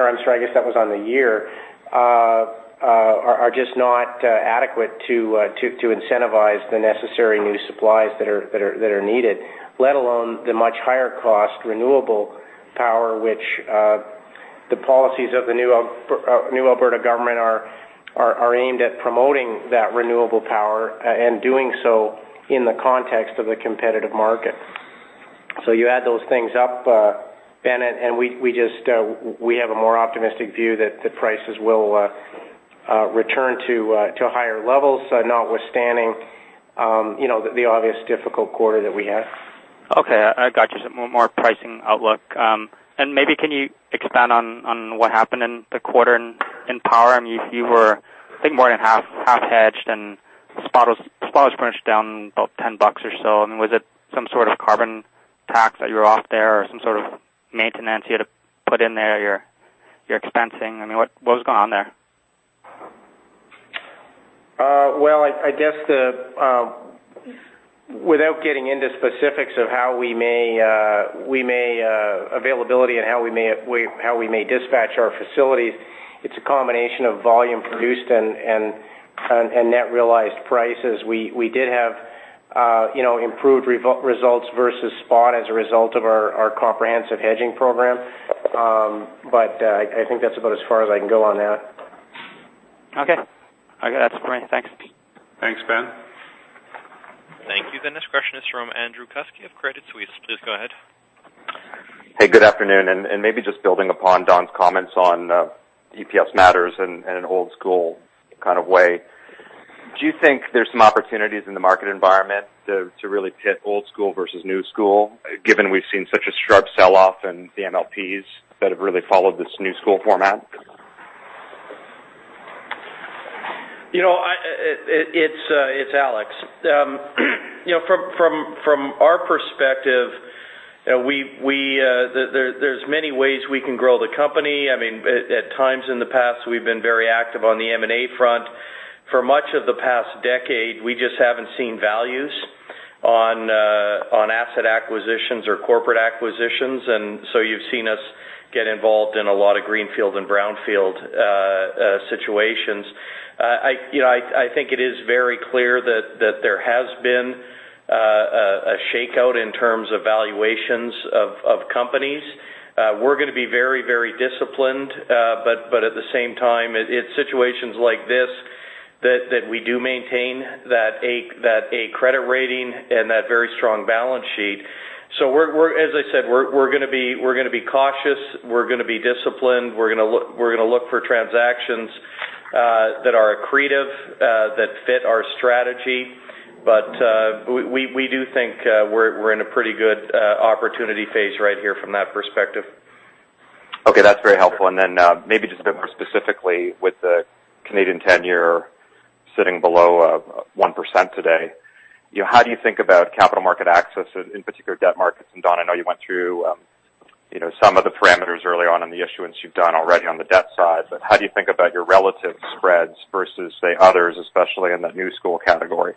I'm sorry, I guess that was on the year, are just not adequate to incentivize the necessary new supplies that are needed, let alone the much higher cost renewable power, which the policies of the new Alberta government are aimed at promoting that renewable power and doing so in the context of the competitive market. You add those things up, Ben. We have a more optimistic view that the prices will return to higher levels, notwithstanding the obvious difficult quarter that we had. Okay. I got you. More pricing outlook. Maybe can you expand on what happened in the quarter in power? You were, I think, more than half hedged and spot was pretty much down about 10 bucks or so. Was it some sort of carbon tax that you're off there or some sort of maintenance you had to put in there, your expensing? What was going on there? Well, I guess without getting into specifics of availability and how we may dispatch our facilities, it's a combination of volume produced and net realized prices. We did have improved results versus spot as a result of our comprehensive hedging program. I think that's about as far as I can go on that. Okay. That's great. Thanks. Thanks, Ben. Thank you, Ben. This question is from Andrew Kuske of Credit Suisse. Please go ahead. Hey, good afternoon. Maybe just building upon Don's comments on EPS matters in an old school kind of way. Do you think there's some opportunities in the market environment to really pit old school versus new school, given we've seen such a sharp sell-off in the MLPs that have really followed this new school format? It's Alex. From our perspective, there's many ways we can grow the company. At times in the past, we've been very active on the M&A front. For much of the past decade, we just haven't seen values on asset acquisitions or corporate acquisitions. You've seen us get involved in a lot of greenfield and brownfield situations. I think it is very clear that there has been a shakeout in terms of valuations of companies. We're going to be very disciplined, at the same time, it's situations like this that we do maintain that A credit rating and that very strong balance sheet. As I said, we're going to be cautious. We're going to be disciplined. We're going to look for transactions that are accretive, that fit our strategy. We do think we're in a pretty good opportunity phase right here from that perspective. Okay, that's very helpful. Maybe just a bit more specifically with the Canadian tenure sitting below 1% today. How do you think about capital market access, in particular debt markets? Don, I know you went through some of the parameters early on in the issuance you've done already on the debt side, but how do you think about your relative spreads versus, say, others, especially in that new school category?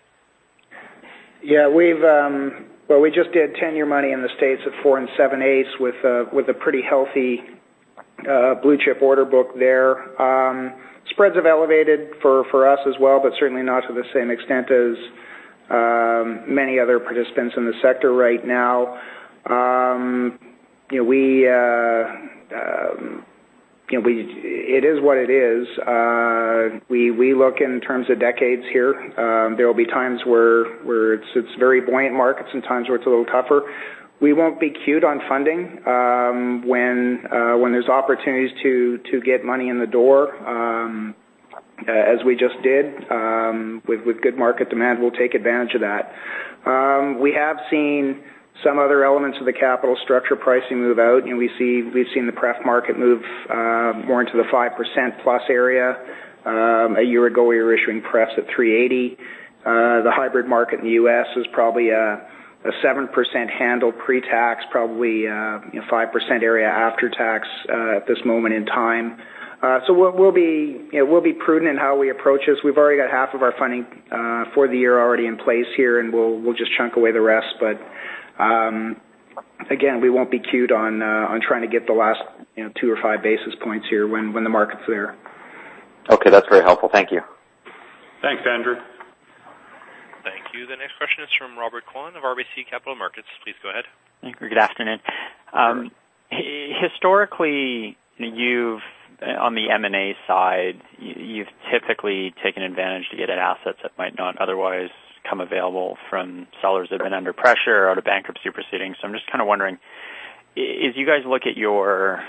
Yeah. We just did 10-year money in the U.S. at four and seven-eighths with a pretty healthy blue-chip order book there. Spreads have elevated for us as well, certainly not to the same extent as many other participants in the sector right now. It is what it is. We look in terms of decades here. There will be times where it's very buoyant markets and times where it's a little tougher. We won't be cued on funding. When there's opportunities to get money in the door as we just did with good market demand, we'll take advantage of that. We have seen some other elements of the capital structure pricing move out, we've seen the pref market move more into the 5% plus area. A year ago, we were issuing pref at 380. The hybrid market in the U.S. is probably a 7% handle pre-tax, probably 5% area after tax at this moment in time. We'll be prudent in how we approach this. We've already got half of our funding for the year already in place here, we'll just chunk away the rest. Again, we won't be cued on trying to get the last two or five basis points here when the market's there. Okay, that's very helpful. Thank you. Thanks, Andrew. Thank you. The next question is from Robert Kwan of RBC Capital Markets. Please go ahead. Thank you. Good afternoon. Good afternoon. Historically, on the M&A side, you've typically taken advantage to get at assets that might not otherwise come available from sellers that have been under pressure or out of bankruptcy proceedings. I'm just wondering, as you guys look at your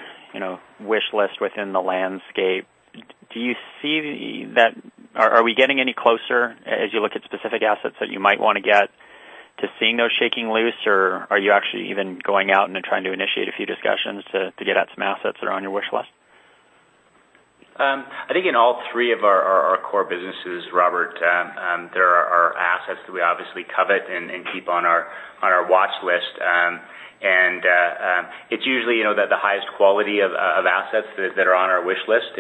wishlist within the landscape, are we getting any closer, as you look at specific assets that you might want to get, to seeing those shaking loose, or are you actually even going out and trying to initiate a few discussions to get at some assets that are on your wishlist? I think in all three of our core businesses, Robert, there are assets that we obviously covet and keep on our watch list. It's usually the highest quality of assets that are on our wishlist.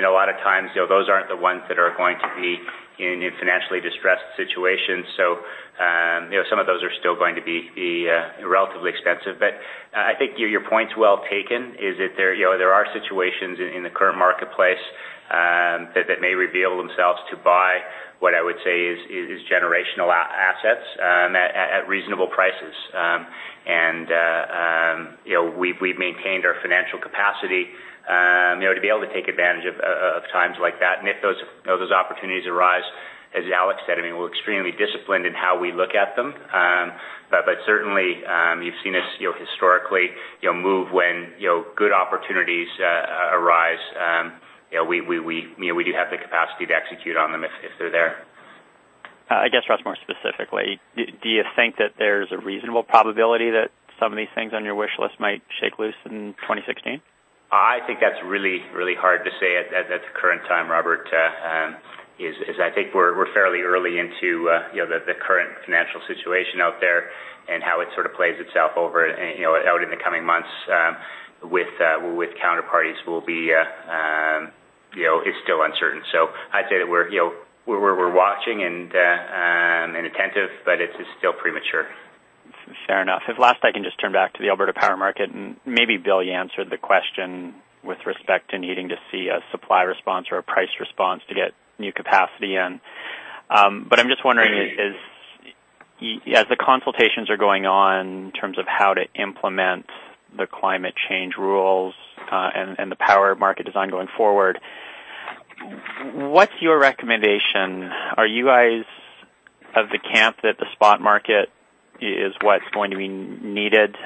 A lot of times, those aren't the ones that are going to be in financially distressed situations. Some of those are still going to be relatively expensive. I think your point's well taken, is that there are situations in the current marketplace that may reveal themselves to buy, what I would say is, generational assets at reasonable prices. We've maintained our financial capacity to be able to take advantage of times like that. If those opportunities arise, as Alex said, we're extremely disciplined in how we look at them. Certainly, you've seen us historically move when good opportunities arise. We do have the capacity to execute on them if they're there. I guess, Russ, more specifically, do you think that there's a reasonable probability that some of these things on your wishlist might shake loose in 2016? I think that's really hard to say at the current time, Robert. I think we're fairly early into the current financial situation out there and how it sort of plays itself over out in the coming months with counterparties, it's still uncertain. I'd say that we're watching and attentive, but it's still premature. Fair enough. If last I can just turn back to the Alberta power market, and maybe Bill, you answered the question with respect to needing to see a supply response or a price response to get new capacity in. I'm just wondering, as the consultations are going on in terms of how to implement the climate change rules and the power market design going forward, what's your recommendation? Are you guys of the camp that the spot market is what's going to be needed,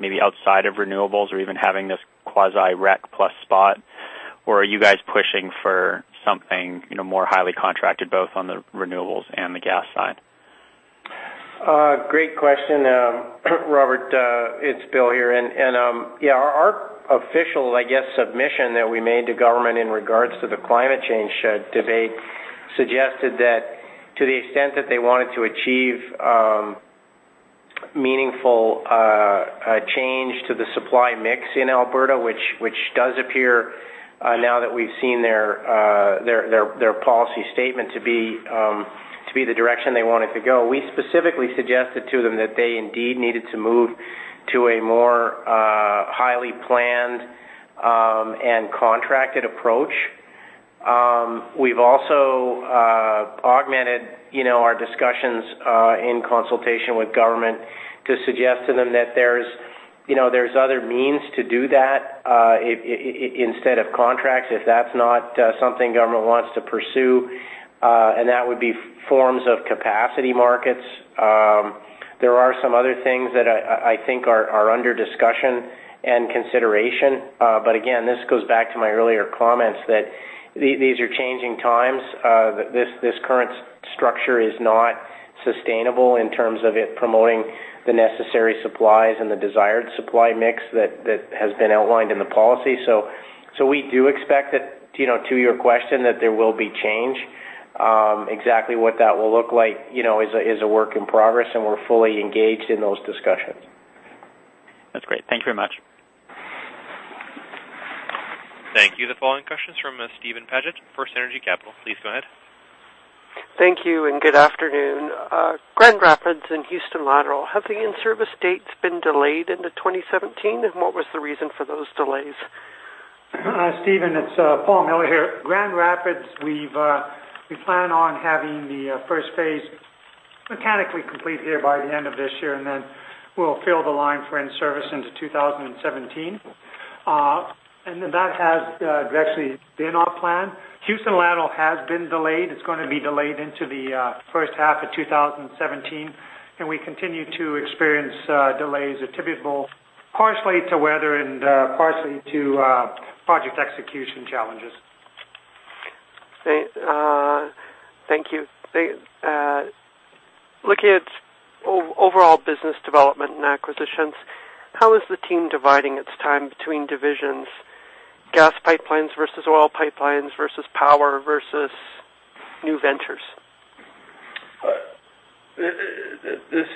maybe outside of renewables or even having this quasi-rec plus spot? Are you guys pushing for something more highly contracted, both on the renewables and the gas side? Great question, Robert. It's Bill here. Our official submission that we made to government in regards to the climate change debate suggested that to the extent that they wanted to achieve meaningful change to the supply mix in Alberta, which does appear now that we've seen their policy statement to be the direction they want it to go. We specifically suggested to them that they indeed needed to move to a more highly planned and contracted approach. We've also augmented our discussions in consultation with government to suggest to them that there's other means to do that instead of contracts, if that's not something government wants to pursue. That would be forms of capacity markets. There are some other things that I think are under discussion and consideration. Again, this goes back to my earlier comments that these are changing times. This current structure is not sustainable in terms of it promoting the necessary supplies and the desired supply mix that has been outlined in the policy. We do expect that, to your question, that there will be change. Exactly what that will look like is a work in progress, and we're fully engaged in those discussions. That's great. Thank you very much. Thank you. The following question's from Steven Paget, FirstEnergy Capital. Please go ahead. Thank you, and good afternoon. Grand Rapids and Houston Lateral, have the in-service dates been delayed into 2017, and what was the reason for those delays? Steven, it's Paul Miller here. Grand Rapids, we plan on having the first phase mechanically complete here by the end of this year, then we'll fill the line for in-service into 2017. That has actually been our plan. Houston Lateral has been delayed. It's going to be delayed into the first half of 2017, and we continue to experience delays attributable partially to weather and partially to project execution challenges. Thank you. Looking at overall business development and acquisitions, how is the team dividing its time between divisions, gas pipelines versus oil pipelines versus power versus new ventures?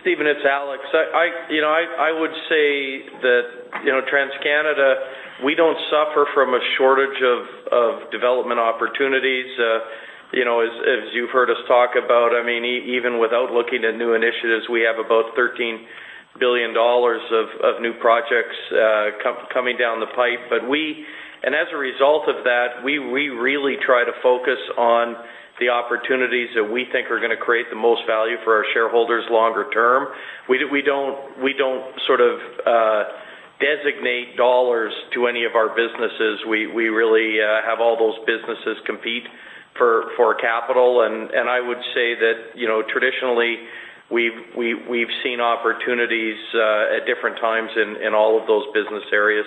Steven, it's Alex. I would say that TransCanada, we don't suffer from a shortage of development opportunities. As you've heard us talk about, even without looking at new initiatives, we have about 13 billion dollars of new projects coming down the pipe. As a result of that, we really try to focus on the opportunities that we think are going to create the most value for our shareholders longer term. We don't designate CAD to any of our businesses. We really have all those businesses compete for capital. I would say that traditionally, we've seen opportunities at different times in all of those business areas.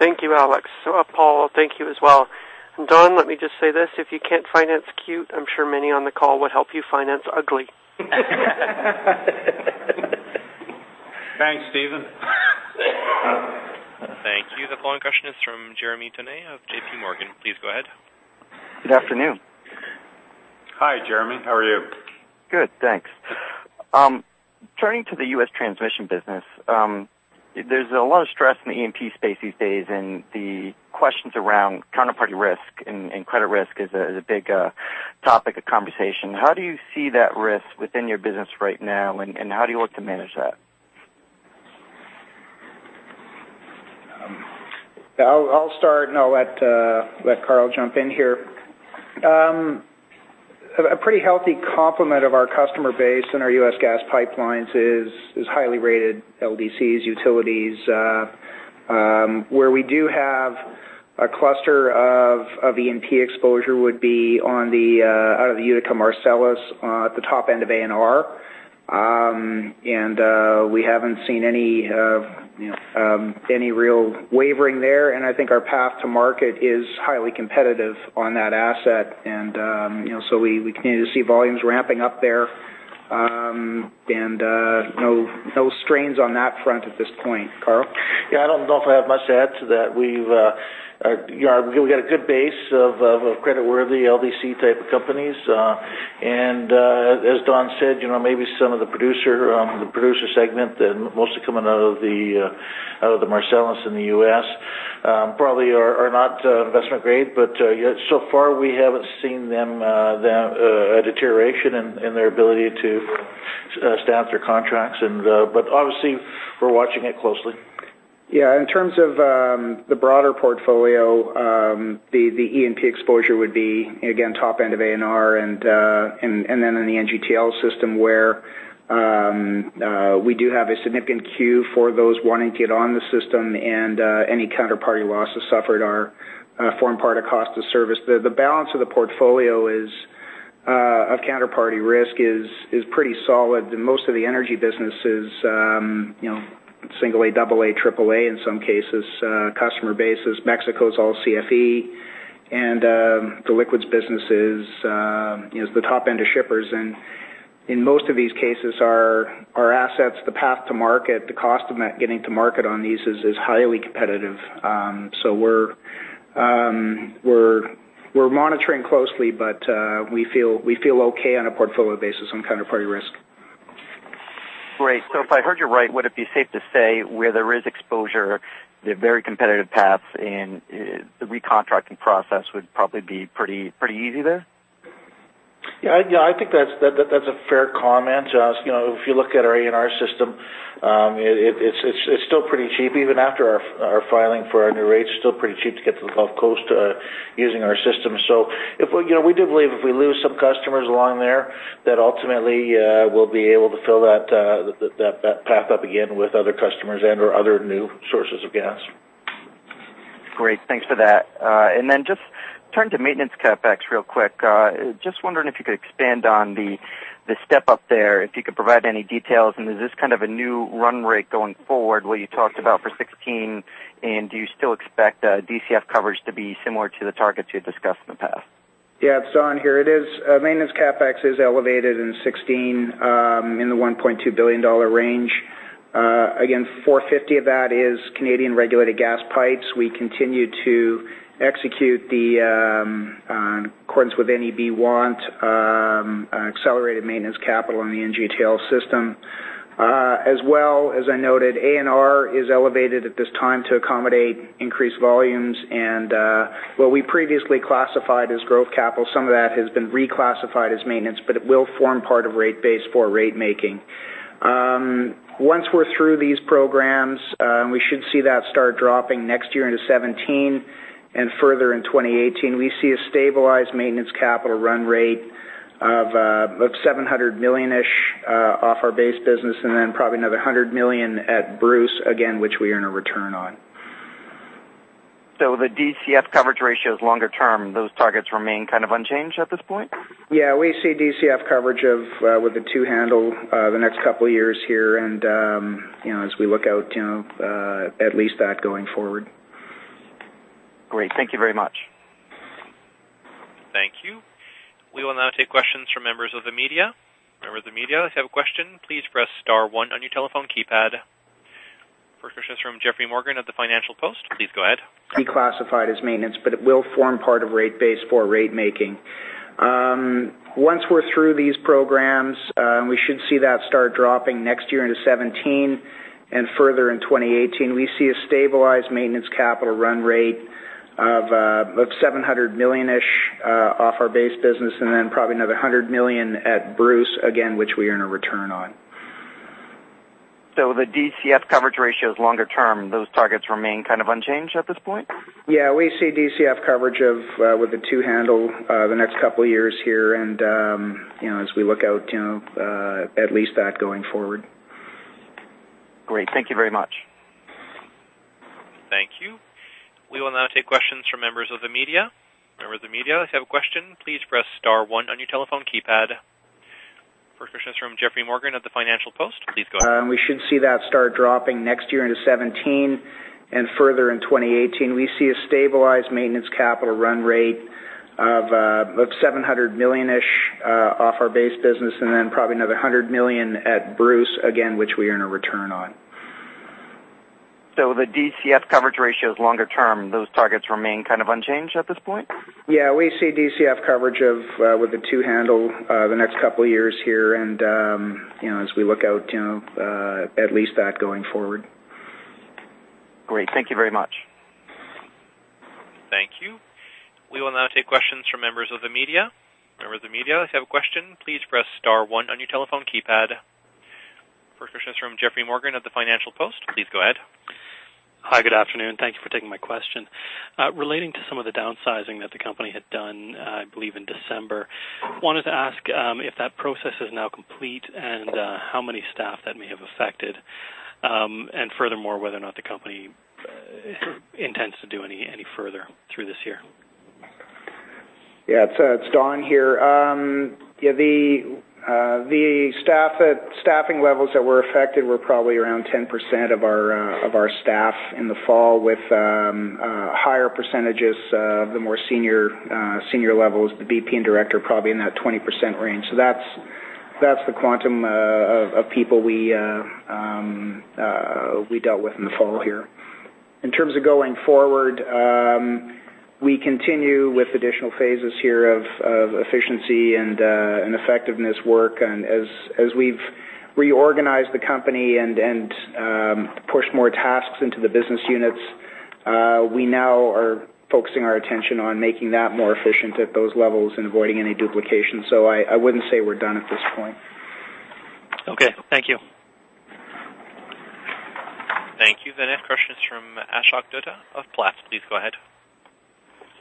Thank you, Alex. Paul, thank you as well. Don, let me just say this, if you can't finance cute, I'm sure many on the call would help you finance ugly. Thanks, Steven. Thank you. The following question is from Jeremy Tonet of J.P. Morgan. Please go ahead. Good afternoon. Hi, Jeremy. How are you? Good, thanks. Turning to the U.S. transmission business, there's a lot of stress in the E&P space these days, the questions around counterparty risk and credit risk is a big topic of conversation. How do you see that risk within your business right now, and how do you look to manage that? I'll start, I'll let Karl jump in here. A pretty healthy complement of our customer base in our U.S. gas pipelines is highly rated LDCs, utilities. Where we do have a cluster of E&P exposure would be out of the Utica Marcellus at the top end of ANR. We haven't seen any real wavering there. I think our path to market is highly competitive on that asset. So we continue to see volumes ramping up there. No strains on that front at this point. Karl? Yeah, I don't know if I have much to add to that. We've got a good base of creditworthy LDC type of companies. As Don said, maybe some of the producer segment, mostly coming out of the Marcellus in the U.S. probably are not investment grade. So far, we haven't seen a deterioration in their ability to staff their contracts. Obviously, we're watching it closely. Yeah. In terms of the broader portfolio, the E&P exposure would be, again, top end of ANR and then in the NGTL system where we do have a significant queue for those wanting to get on the system, and any counterparty losses suffered form part of cost-of-service. The balance of the portfolio of counterparty risk is pretty solid. Most of the energy business is single A, double A, triple A, in some cases, customer bases. Mexico's all CFE, the liquids business is the top end of shippers. In most of these cases, our assets, the path to market, the cost of getting to market on these is highly competitive. We're monitoring closely, but we feel okay on a portfolio basis on counterparty risk. Great. If I heard you right, would it be safe to say where there is exposure, the very competitive paths and the recontracting process would probably be pretty easy there? Yeah, I think that's a fair comment. If you look at our ANR system, it's still pretty cheap, even after our filing for our new rates. It's still pretty cheap to get to the Gulf Coast using our system. We do believe if we lose some customers along there, that ultimately we'll be able to fill that path up again with other customers and/or other new sources of gas. Great. Thanks for that. Just turn to maintenance CapEx real quick. Just wondering if you could expand on the step up there, if you could provide any details, and is this kind of a new run rate going forward, what you talked about for 2016? Do you still expect DCF coverage to be similar to the targets you discussed in the past? Yeah. Don here. It is. Maintenance CapEx is elevated in 2016, in the 1.2 billion dollar range. Again, 450 million of that is Canadian regulated gas pipes. We continue to execute in accordance with any want accelerated maintenance capital in the NGTL system. As well, as I noted, ANR is elevated at this time to accommodate increased volumes. What we previously classified as growth capital, some of that has been reclassified as maintenance, but it will form part of rate base for rate making. Once we are through these programs, we should see that start dropping next year into 2017 and further in 2018. We see a stabilized maintenance capital run rate of 700 million-ish off our base business, and then probably another 100 million at Bruce, again, which we earn a return on. The DCF coverage ratio is longer term. Those targets remain kind of unchanged at this point? Yeah, we see DCF coverage with the two handle the next couple of years here. As we look out, at least that going forward. Great. Thank you very much. Thank you. We will now take questions from members of the media. Members of the media, if you have a question, please press star one on your telephone keypad. First question is from Geoffrey Morgan of the Financial Post. Please go ahead. Reclassified as maintenance, but it will form part of rate base for rate making. Once we're through these programs, we should see that start dropping next year into 2017 and further in 2018. We see a stabilized maintenance capital run rate of 700 million-ish off our base business, and then probably another 100 million at Bruce, again, which we earn a return on. Hi, good afternoon. Thank you for taking my question. Relating to some of the downsizing that the company had done, I believe in December, wanted to ask if that process is now complete and how many staff that may have affected. Furthermore, whether or not the company intends to do any further through this year. Yeah, it's Don here. The staffing levels that were affected were probably around 10% of our staff in the fall, with higher percentages of the more senior levels, the VP and Director probably in that 20% range. That's the quantum of people we dealt with in the fall here. In terms of going forward, we continue with additional phases here of efficiency and effectiveness work. As we've reorganized the company and pushed more tasks into the business units, we now are focusing our attention on making that more efficient at those levels and avoiding any duplication. I wouldn't say we're done at this point. Okay, thank you. Thank you. The next question is from Ashok Dutta of Platts. Please go ahead.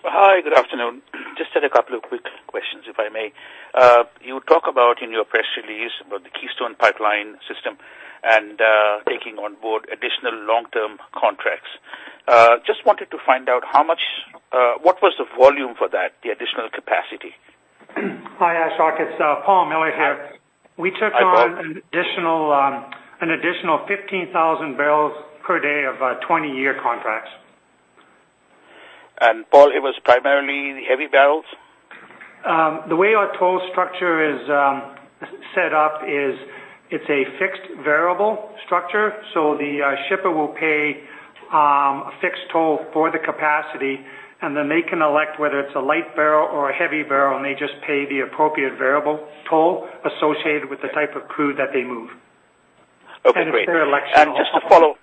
Hi, good afternoon. Just had a couple of quick questions, if I may. You talk about in your press release about the Keystone Pipeline System and taking on board additional long-term contracts. Just wanted to find out what was the volume for that, the additional capacity? Hi, Ashok. It's Paul Miller here. Hi, Paul. We took on an additional 15,000 barrels per day of 20-year contracts. Paul, it was primarily the heavy barrels? The way our toll structure is set up is, it's a fixed variable structure. The shipper will pay a fixed toll for the capacity. They can elect whether it's a light barrel or a heavy barrel. They just pay the appropriate variable toll associated with the type of crude that they move. Okay, great. It's their election on-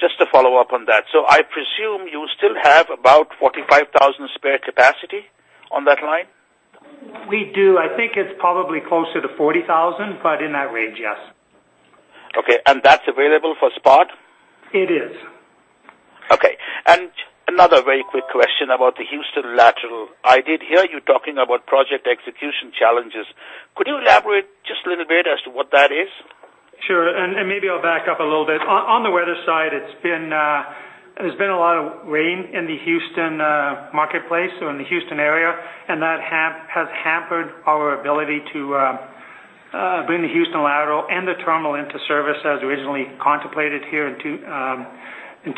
Just to follow up on that. I presume you still have about 45,000 spare capacity on that line? We do. I think it's probably closer to 40,000, but in that range, yes. Okay. That's available for spot? It is. Okay. Another very quick question about the Houston Lateral. I did hear you talking about project execution challenges. Could you elaborate just a little bit as to what that is? Sure. Maybe I'll back up a little bit. On the weather side, there's been a lot of rain in the Houston marketplace or in the Houston area, and that has hampered our ability to bring the Houston Lateral and the terminal into service as originally contemplated here in 2016.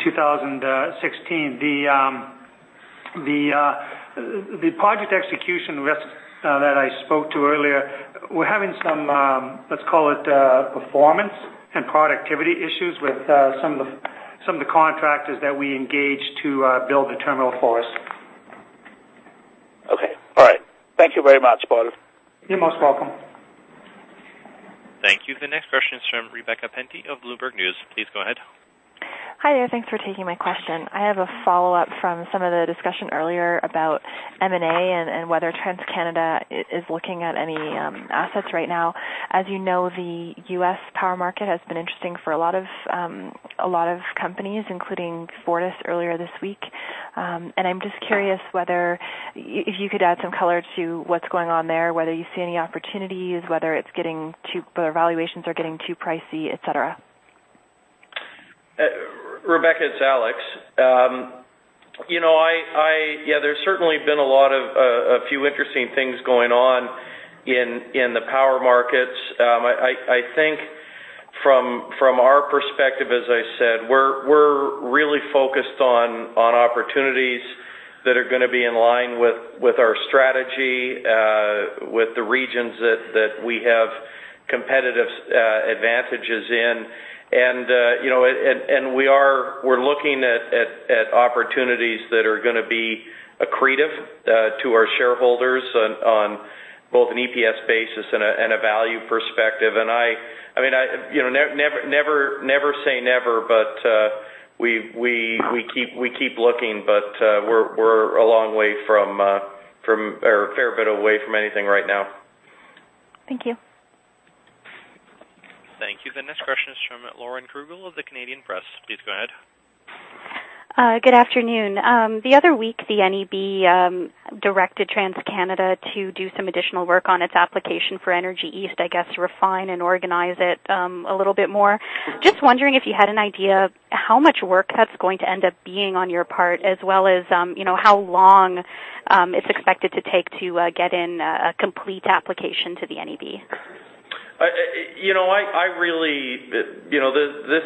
The project execution risk that I spoke to earlier, we're having some, let's call it, performance and productivity issues with some of the contractors that we engaged to build the terminal for us. Okay. All right. Thank you very much, Paul. You're most welcome. Thank you. The next question is from Rebecca Penty of Bloomberg News. Please go ahead. Hi there. Thanks for taking my question. I have a follow-up from some of the discussion earlier about M&A and whether TransCanada is looking at any assets right now. As you know, the U.S. power market has been interesting for a lot of companies, including Fortis earlier this week. I'm just curious if you could add some color to what's going on there, whether you see any opportunities, whether valuations are getting too pricey, et cetera. Rebecca, it's Alex. There's certainly been a few interesting things going on in the power markets. I think from our perspective, as I said, we're really focused on opportunities that are going to be in line with our strategy, with the regions that we have competitive advantages in. We're looking at opportunities that are going to be accretive to our shareholders on both an EPS basis and a value perspective. Never say never, but we keep looking, but we're a long way from, or a fair bit away from anything right now. Thank you. Thank you. The next question is from Lauren Krugel of The Canadian Press. Please go ahead. Good afternoon. The other week, the NEB directed TransCanada to do some additional work on its application for Energy East, I guess, to refine and organize it a little bit more. Just wondering if you had an idea of how much work that's going to end up being on your part, as well as how long it's expected to take to get in a complete application to the NEB.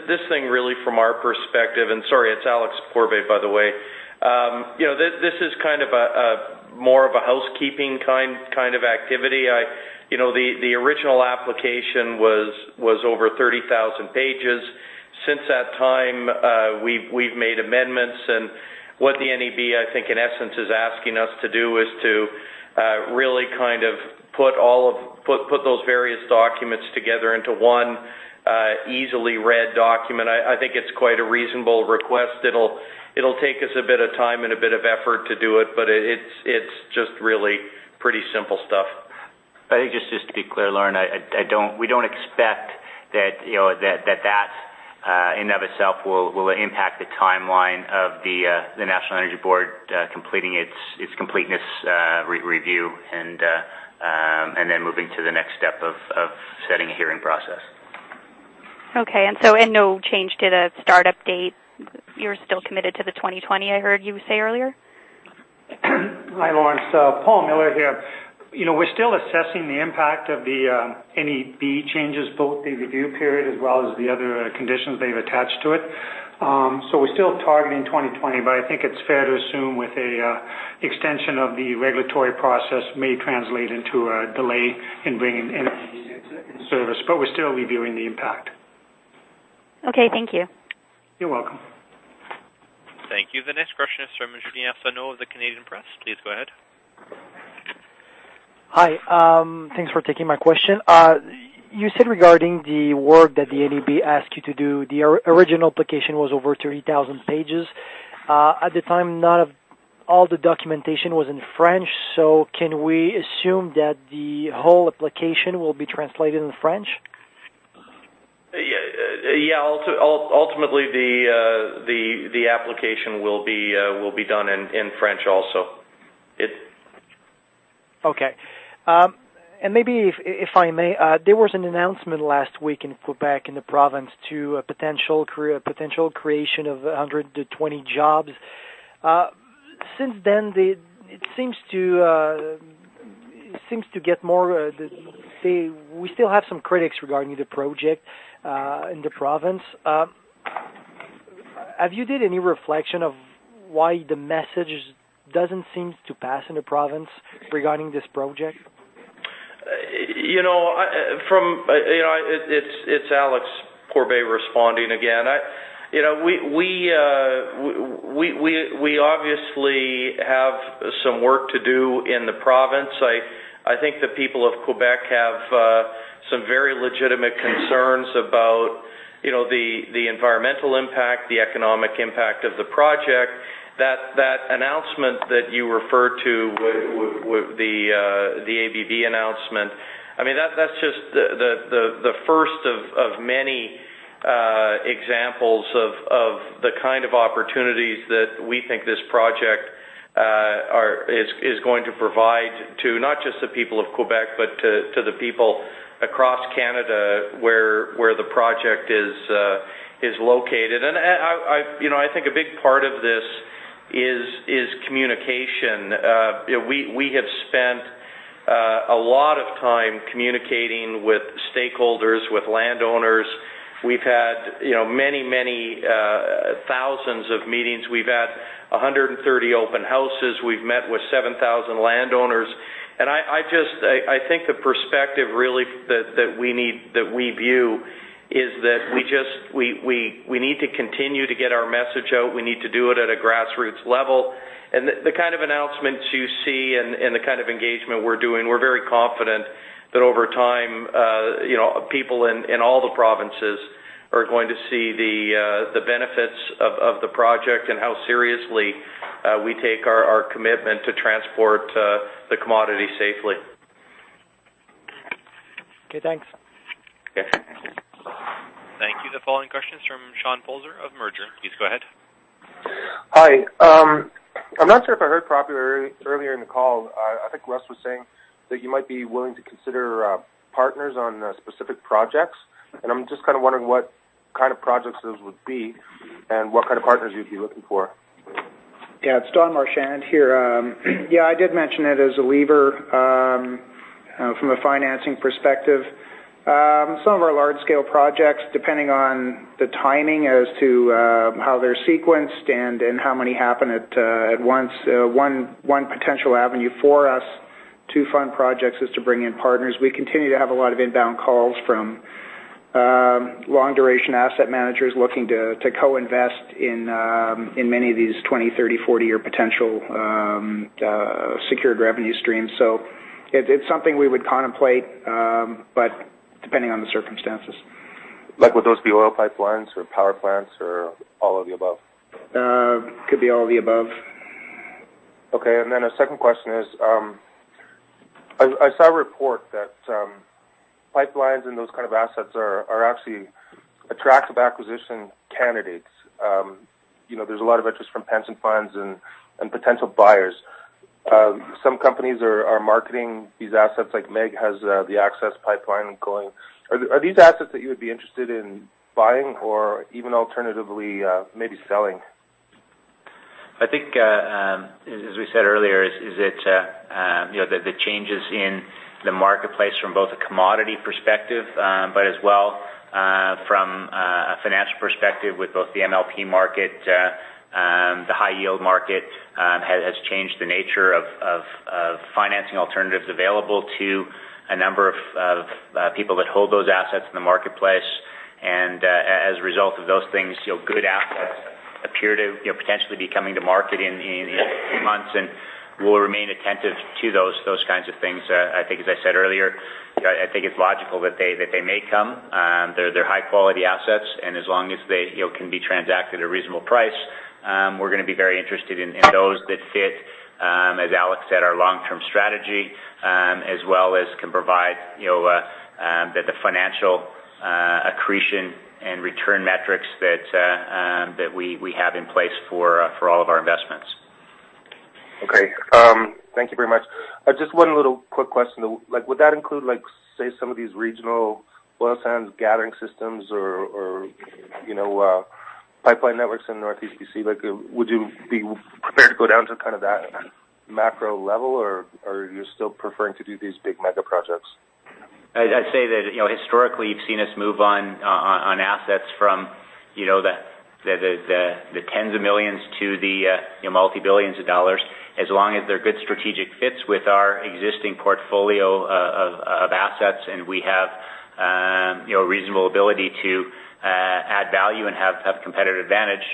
This thing really from our perspective, sorry, it's Alex Pourbaix, by the way. This is more of a housekeeping kind of activity. The original application was over 30,000 pages. Since that time, we've made amendments, what the NEB, I think, in essence, is asking us to do is to really put those various documents together into one easily read document. I think it's quite a reasonable request. It'll take us a bit of time and a bit of effort to do it's just really pretty simple stuff. I think just to be clear, Lauren, we don't expect that that in and of itself will impact the timeline of the National Energy Board completing its completeness review, then moving to the next step of setting a hearing process. Okay, no change to the start-up date. You're still committed to the 2020, I heard you say earlier? Hi, Lauren. Paul Miller here. We're still assessing the impact of the NEB changes, both the review period as well as the other conditions they've attached to it. We're still targeting 2020, but I think it's fair to assume with a extension of the regulatory process may translate into a delay in bringing energy into service, but we're still reviewing the impact. Okay, thank you. You're welcome. Thank you. The next question is from Julien Arsenault of The Canadian Press. Please go ahead. Hi, thanks for taking my question. You said regarding the work that the NEB asked you to do, the original application was over 30,000 pages. At the time, not all the documentation was in French, can we assume that the whole application will be translated in French? Yeah. Ultimately, the application will be done in French also. Okay. Maybe if I may, there was an announcement last week in Quebec in the province to a potential creation of 120 jobs. Since then, it seems to get more, we still have some critics regarding the project in the province. Have you did any reflection of why the message doesn't seem to pass in the province regarding this project? It's Alex Pourbaix responding again. We obviously have some work to do in the province. I think the people of Quebec have some very legitimate concerns about the environmental impact, the economic impact of the project. That announcement that you referred to, the ABB announcement, that's just the first of many examples of the kind of opportunities that we think this project is going to provide to not just the people of Quebec, but to the people across Canada where the project is located. I think a big part of this is communication. We have spent a lot of time communicating with stakeholders, with landowners. We've had many, many thousands of meetings. We've had 130 open houses. We've met with 7,000 landowners. I think the perspective really that we view is that we need to continue to get our message out. We need to do it at a grassroots level. The kind of announcements you see and the kind of engagement we're doing, we're very confident that over time people in all the provinces are going to see the benefits of the project and how seriously we take our commitment to transport the commodity safely. Okay, thanks. Okay. Thank you. The following question is from Sean Polser of Mercer. Please go ahead. Hi. I'm not sure if I heard properly earlier in the call. I think Russ was saying that you might be willing to consider partners on specific projects. I'm just kind of wondering what kind of projects those would be and what kind of partners you'd be looking for. Yeah, it's Don Marchand here. Yeah, I did mention it as a lever from a financing perspective. Some of our large-scale projects, depending on the timing as to how they're sequenced and how many happen at once, one potential avenue for us to fund projects is to bring in partners. We continue to have a lot of inbound calls from Long-duration asset managers looking to co-invest in many of these 20, 30, 40-year potential secured revenue streams. It's something we would contemplate, but depending on the circumstances. Would those be oil pipelines or power plants or all of the above? Could be all of the above. Okay, a second question is, I saw a report that pipelines and those kinds of assets are actually attractive acquisition candidates. There's a lot of interest from pension funds and potential buyers. Some companies are marketing these assets like MEG has the Access Pipeline going. Are these assets that you would be interested in buying or even alternatively, maybe selling? As we said earlier, the changes in the marketplace from both a commodity perspective, but as well from a financial perspective with both the MLP market, the high-yield market, has changed the nature of financing alternatives available to a number of people that hold those assets in the marketplace. As a result of those things, good assets appear to potentially be coming to market in months and we'll remain attentive to those kinds of things. As I said earlier, it's logical that they may come. They're high-quality assets and as long as they can be transacted at a reasonable price, we're going to be very interested in those that fit, as Alex said, our long-term strategy, as well as can provide the financial accretion and return metrics that we have in place for all of our investments. Okay. Thank you very much. Just one little quick question. Would that include, say, some of these regional oil sands gathering systems or pipeline networks in Northeast B.C.? Would you be prepared to go down to that macro level, or are you still preferring to do these big mega projects? I'd say that historically, you've seen us move on assets from the tens of millions of CAD to the multi-billions of CAD, as long as they're good strategic fits with our existing portfolio of assets, and we have reasonable ability to add value and have competitive advantage.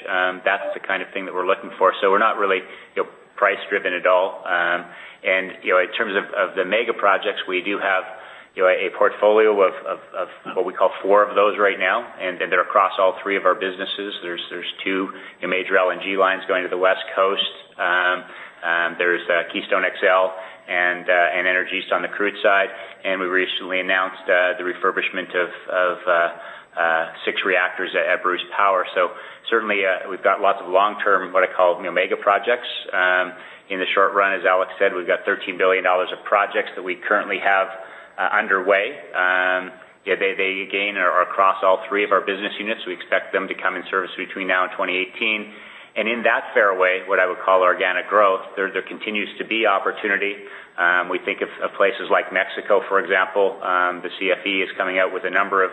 That's the kind of thing that we're looking for. We're not really price-driven at all. In terms of the mega projects, we do have a portfolio of what we call four of those right now, and they're across all three of our businesses. There's two major LNG lines going to the West Coast. There's Keystone XL and Energy East on the crude side. We recently announced the refurbishment of six reactors at Bruce Power. Certainly, we've got lots of long-term, what I call, mega projects. In the short run, as Alex said, we've got 13 billion dollars of projects that we currently have underway. They, again, are across all three of our business units. We expect them to come in service between now and 2018. In that fairway, what I would call organic growth, there continues to be opportunity. We think of places like Mexico, for example. The CFE is coming out with a number of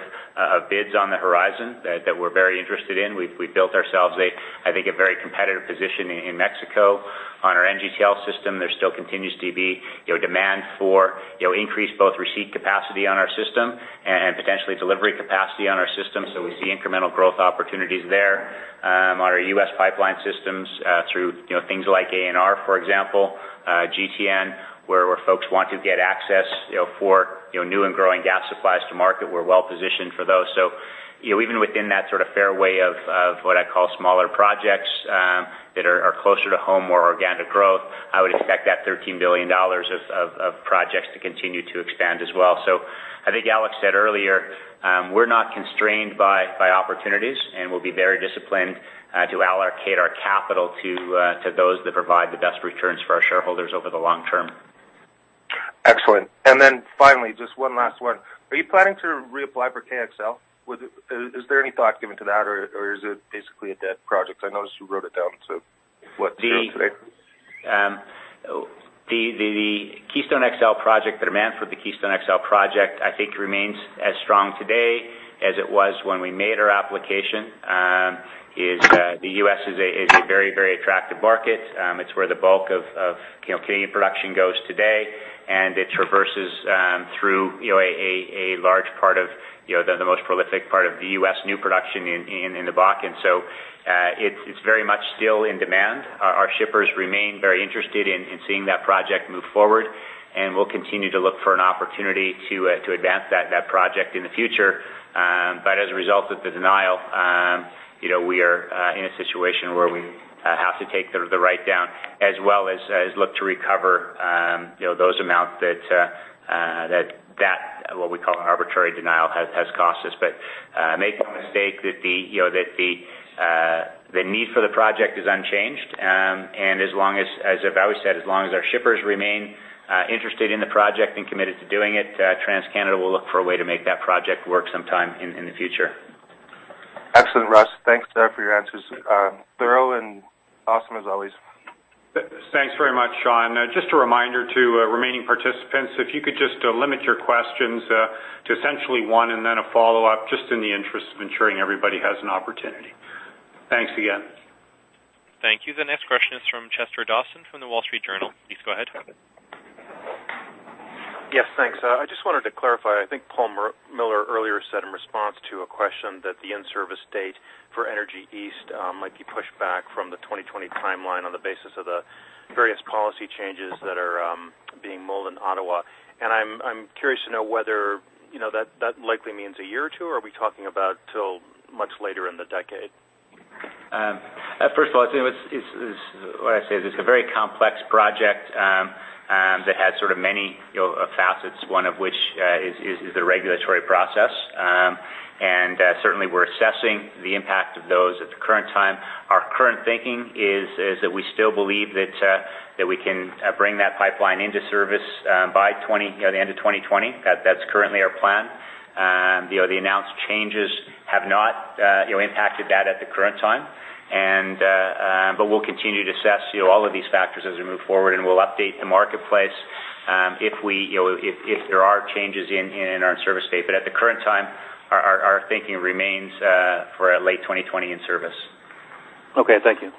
bids on the horizon that we're very interested in. We've built ourselves a very competitive position in Mexico on our NGTL system. There still continues to be demand for increased both receipt capacity on our system and potentially delivery capacity on our system. We see incremental growth opportunities there. On our U.S. pipeline systems, through things like ANR, for example, GTN, where folks want to get access for new and growing gas supplies to market, we're well-positioned for those. Even within that sort of fairway of what I call smaller projects that are closer to home or organic growth, I would expect that 13 billion dollars of projects to continue to expand as well. I think Alex said earlier, we're not constrained by opportunities, and we'll be very disciplined to allocate our capital to those that provide the best returns for our shareholders over the long term. Excellent. Finally, just one last one. Are you planning to reapply for KXL? Is there any thought given to that, or is it basically a dead project? I noticed you wrote it down, what, zero today? The demand for the Keystone XL project, I think, remains as strong today as it was when we made our application. The U.S. is a very attractive market. It's where the bulk of Canadian production goes today, and it traverses through a large part of the most prolific part of the U.S. new production in the Bakken. It's very much still in demand. Our shippers remain very interested in seeing that project move forward, and we'll continue to look for an opportunity to advance that project in the future. As a result of the denial, we are in a situation where we have to take the write-down as well as look to recover those amounts that what we call an arbitrary denial has cost us. Make no mistake that the need for the project is unchanged, and as I've always said, as long as our shippers remain interested in the project and committed to doing it, TransCanada will look for a way to make that project work sometime in the future. Excellent, Russ. Thanks for your answers. Thorough and awesome as always. Thanks very much, Sean. Just a reminder to remaining participants, if you could just limit your questions to essentially one and then a follow-up, just in the interest of ensuring everybody has an opportunity. Thanks again. Thank you. The next question is from Chester Dawson from The Wall Street Journal. Please go ahead. Yes, thanks. I just wanted to clarify, I think Paul Miller earlier said in response to a question that the in-service date for Energy East might be pushed back from the 2020 timeline on the basis of the various policy changes that are being mulled in Ottawa. I'm curious to know whether that likely means a year or two, or are we talking about till much later in the decade? First of all, what I say is it's a very complex project that has many facets, one of which is the regulatory process. Certainly, we're assessing the impact of those at the current time. Our current thinking is that we still believe that we can bring that pipeline into service by the end of 2020. That's currently our plan. The announced changes have not impacted that at the current time. We'll continue to assess all of these factors as we move forward, and we'll update the marketplace if there are changes in our service date. At the current time, our thinking remains for a late 2020 in-service. Okay, thank you.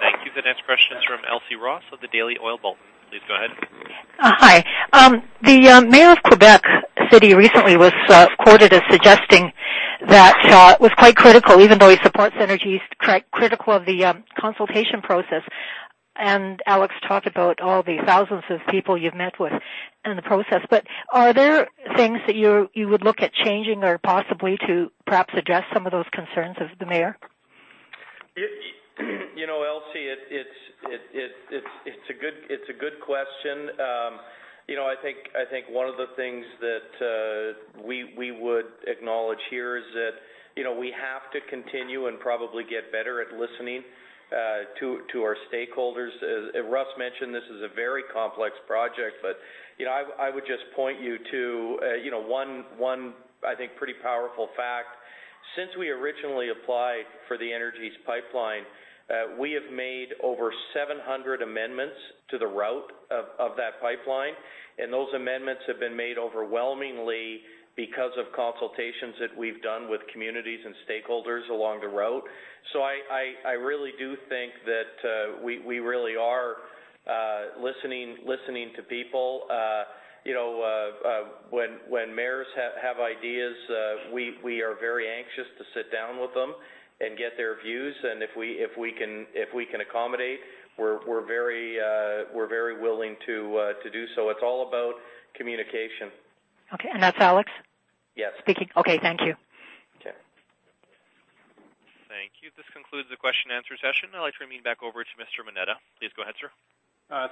Thank you. The next question is from Elsie Ross of The Daily Oil Bulletin. Please go ahead. Hi. The mayor of Quebec City recently was quoted as quite critical, even though he supports Energy, critical of the consultation process. Alex talked about all the thousands of people you've met with in the process. Are there things that you would look at changing or possibly to perhaps address some of those concerns of the mayor? Elsie, it's a good question. I think one of the things that we would acknowledge here is that we have to continue and probably get better at listening to our stakeholders. Russ mentioned this is a very complex project, but I would just point you to one, I think, pretty powerful fact. Since we originally applied for the Energy East pipeline, we have made over 700 amendments to the route of that pipeline, and those amendments have been made overwhelmingly because of consultations that we've done with communities and stakeholders along the route. I really do think that we really are listening to people. When mayors have ideas, we are very anxious to sit down with them and get their views, and if we can accommodate, we're very willing to do so. It's all about communication. Okay, that's Alex. Yes. speaking? Okay, thank you. Okay. Thank you. This concludes the question and answer session. I'd like to remain back over to Mr. Moneta. Please go ahead, sir.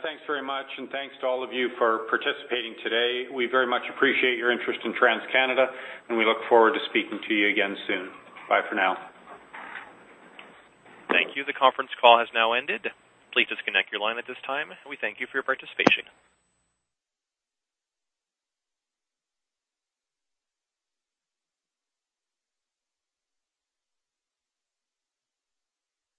Thanks very much, and thanks to all of you for participating today. We very much appreciate your interest in TransCanada, and we look forward to speaking to you again soon. Bye for now. Thank you. The conference call has now ended. Please disconnect your line at this time, and we thank you for your participation.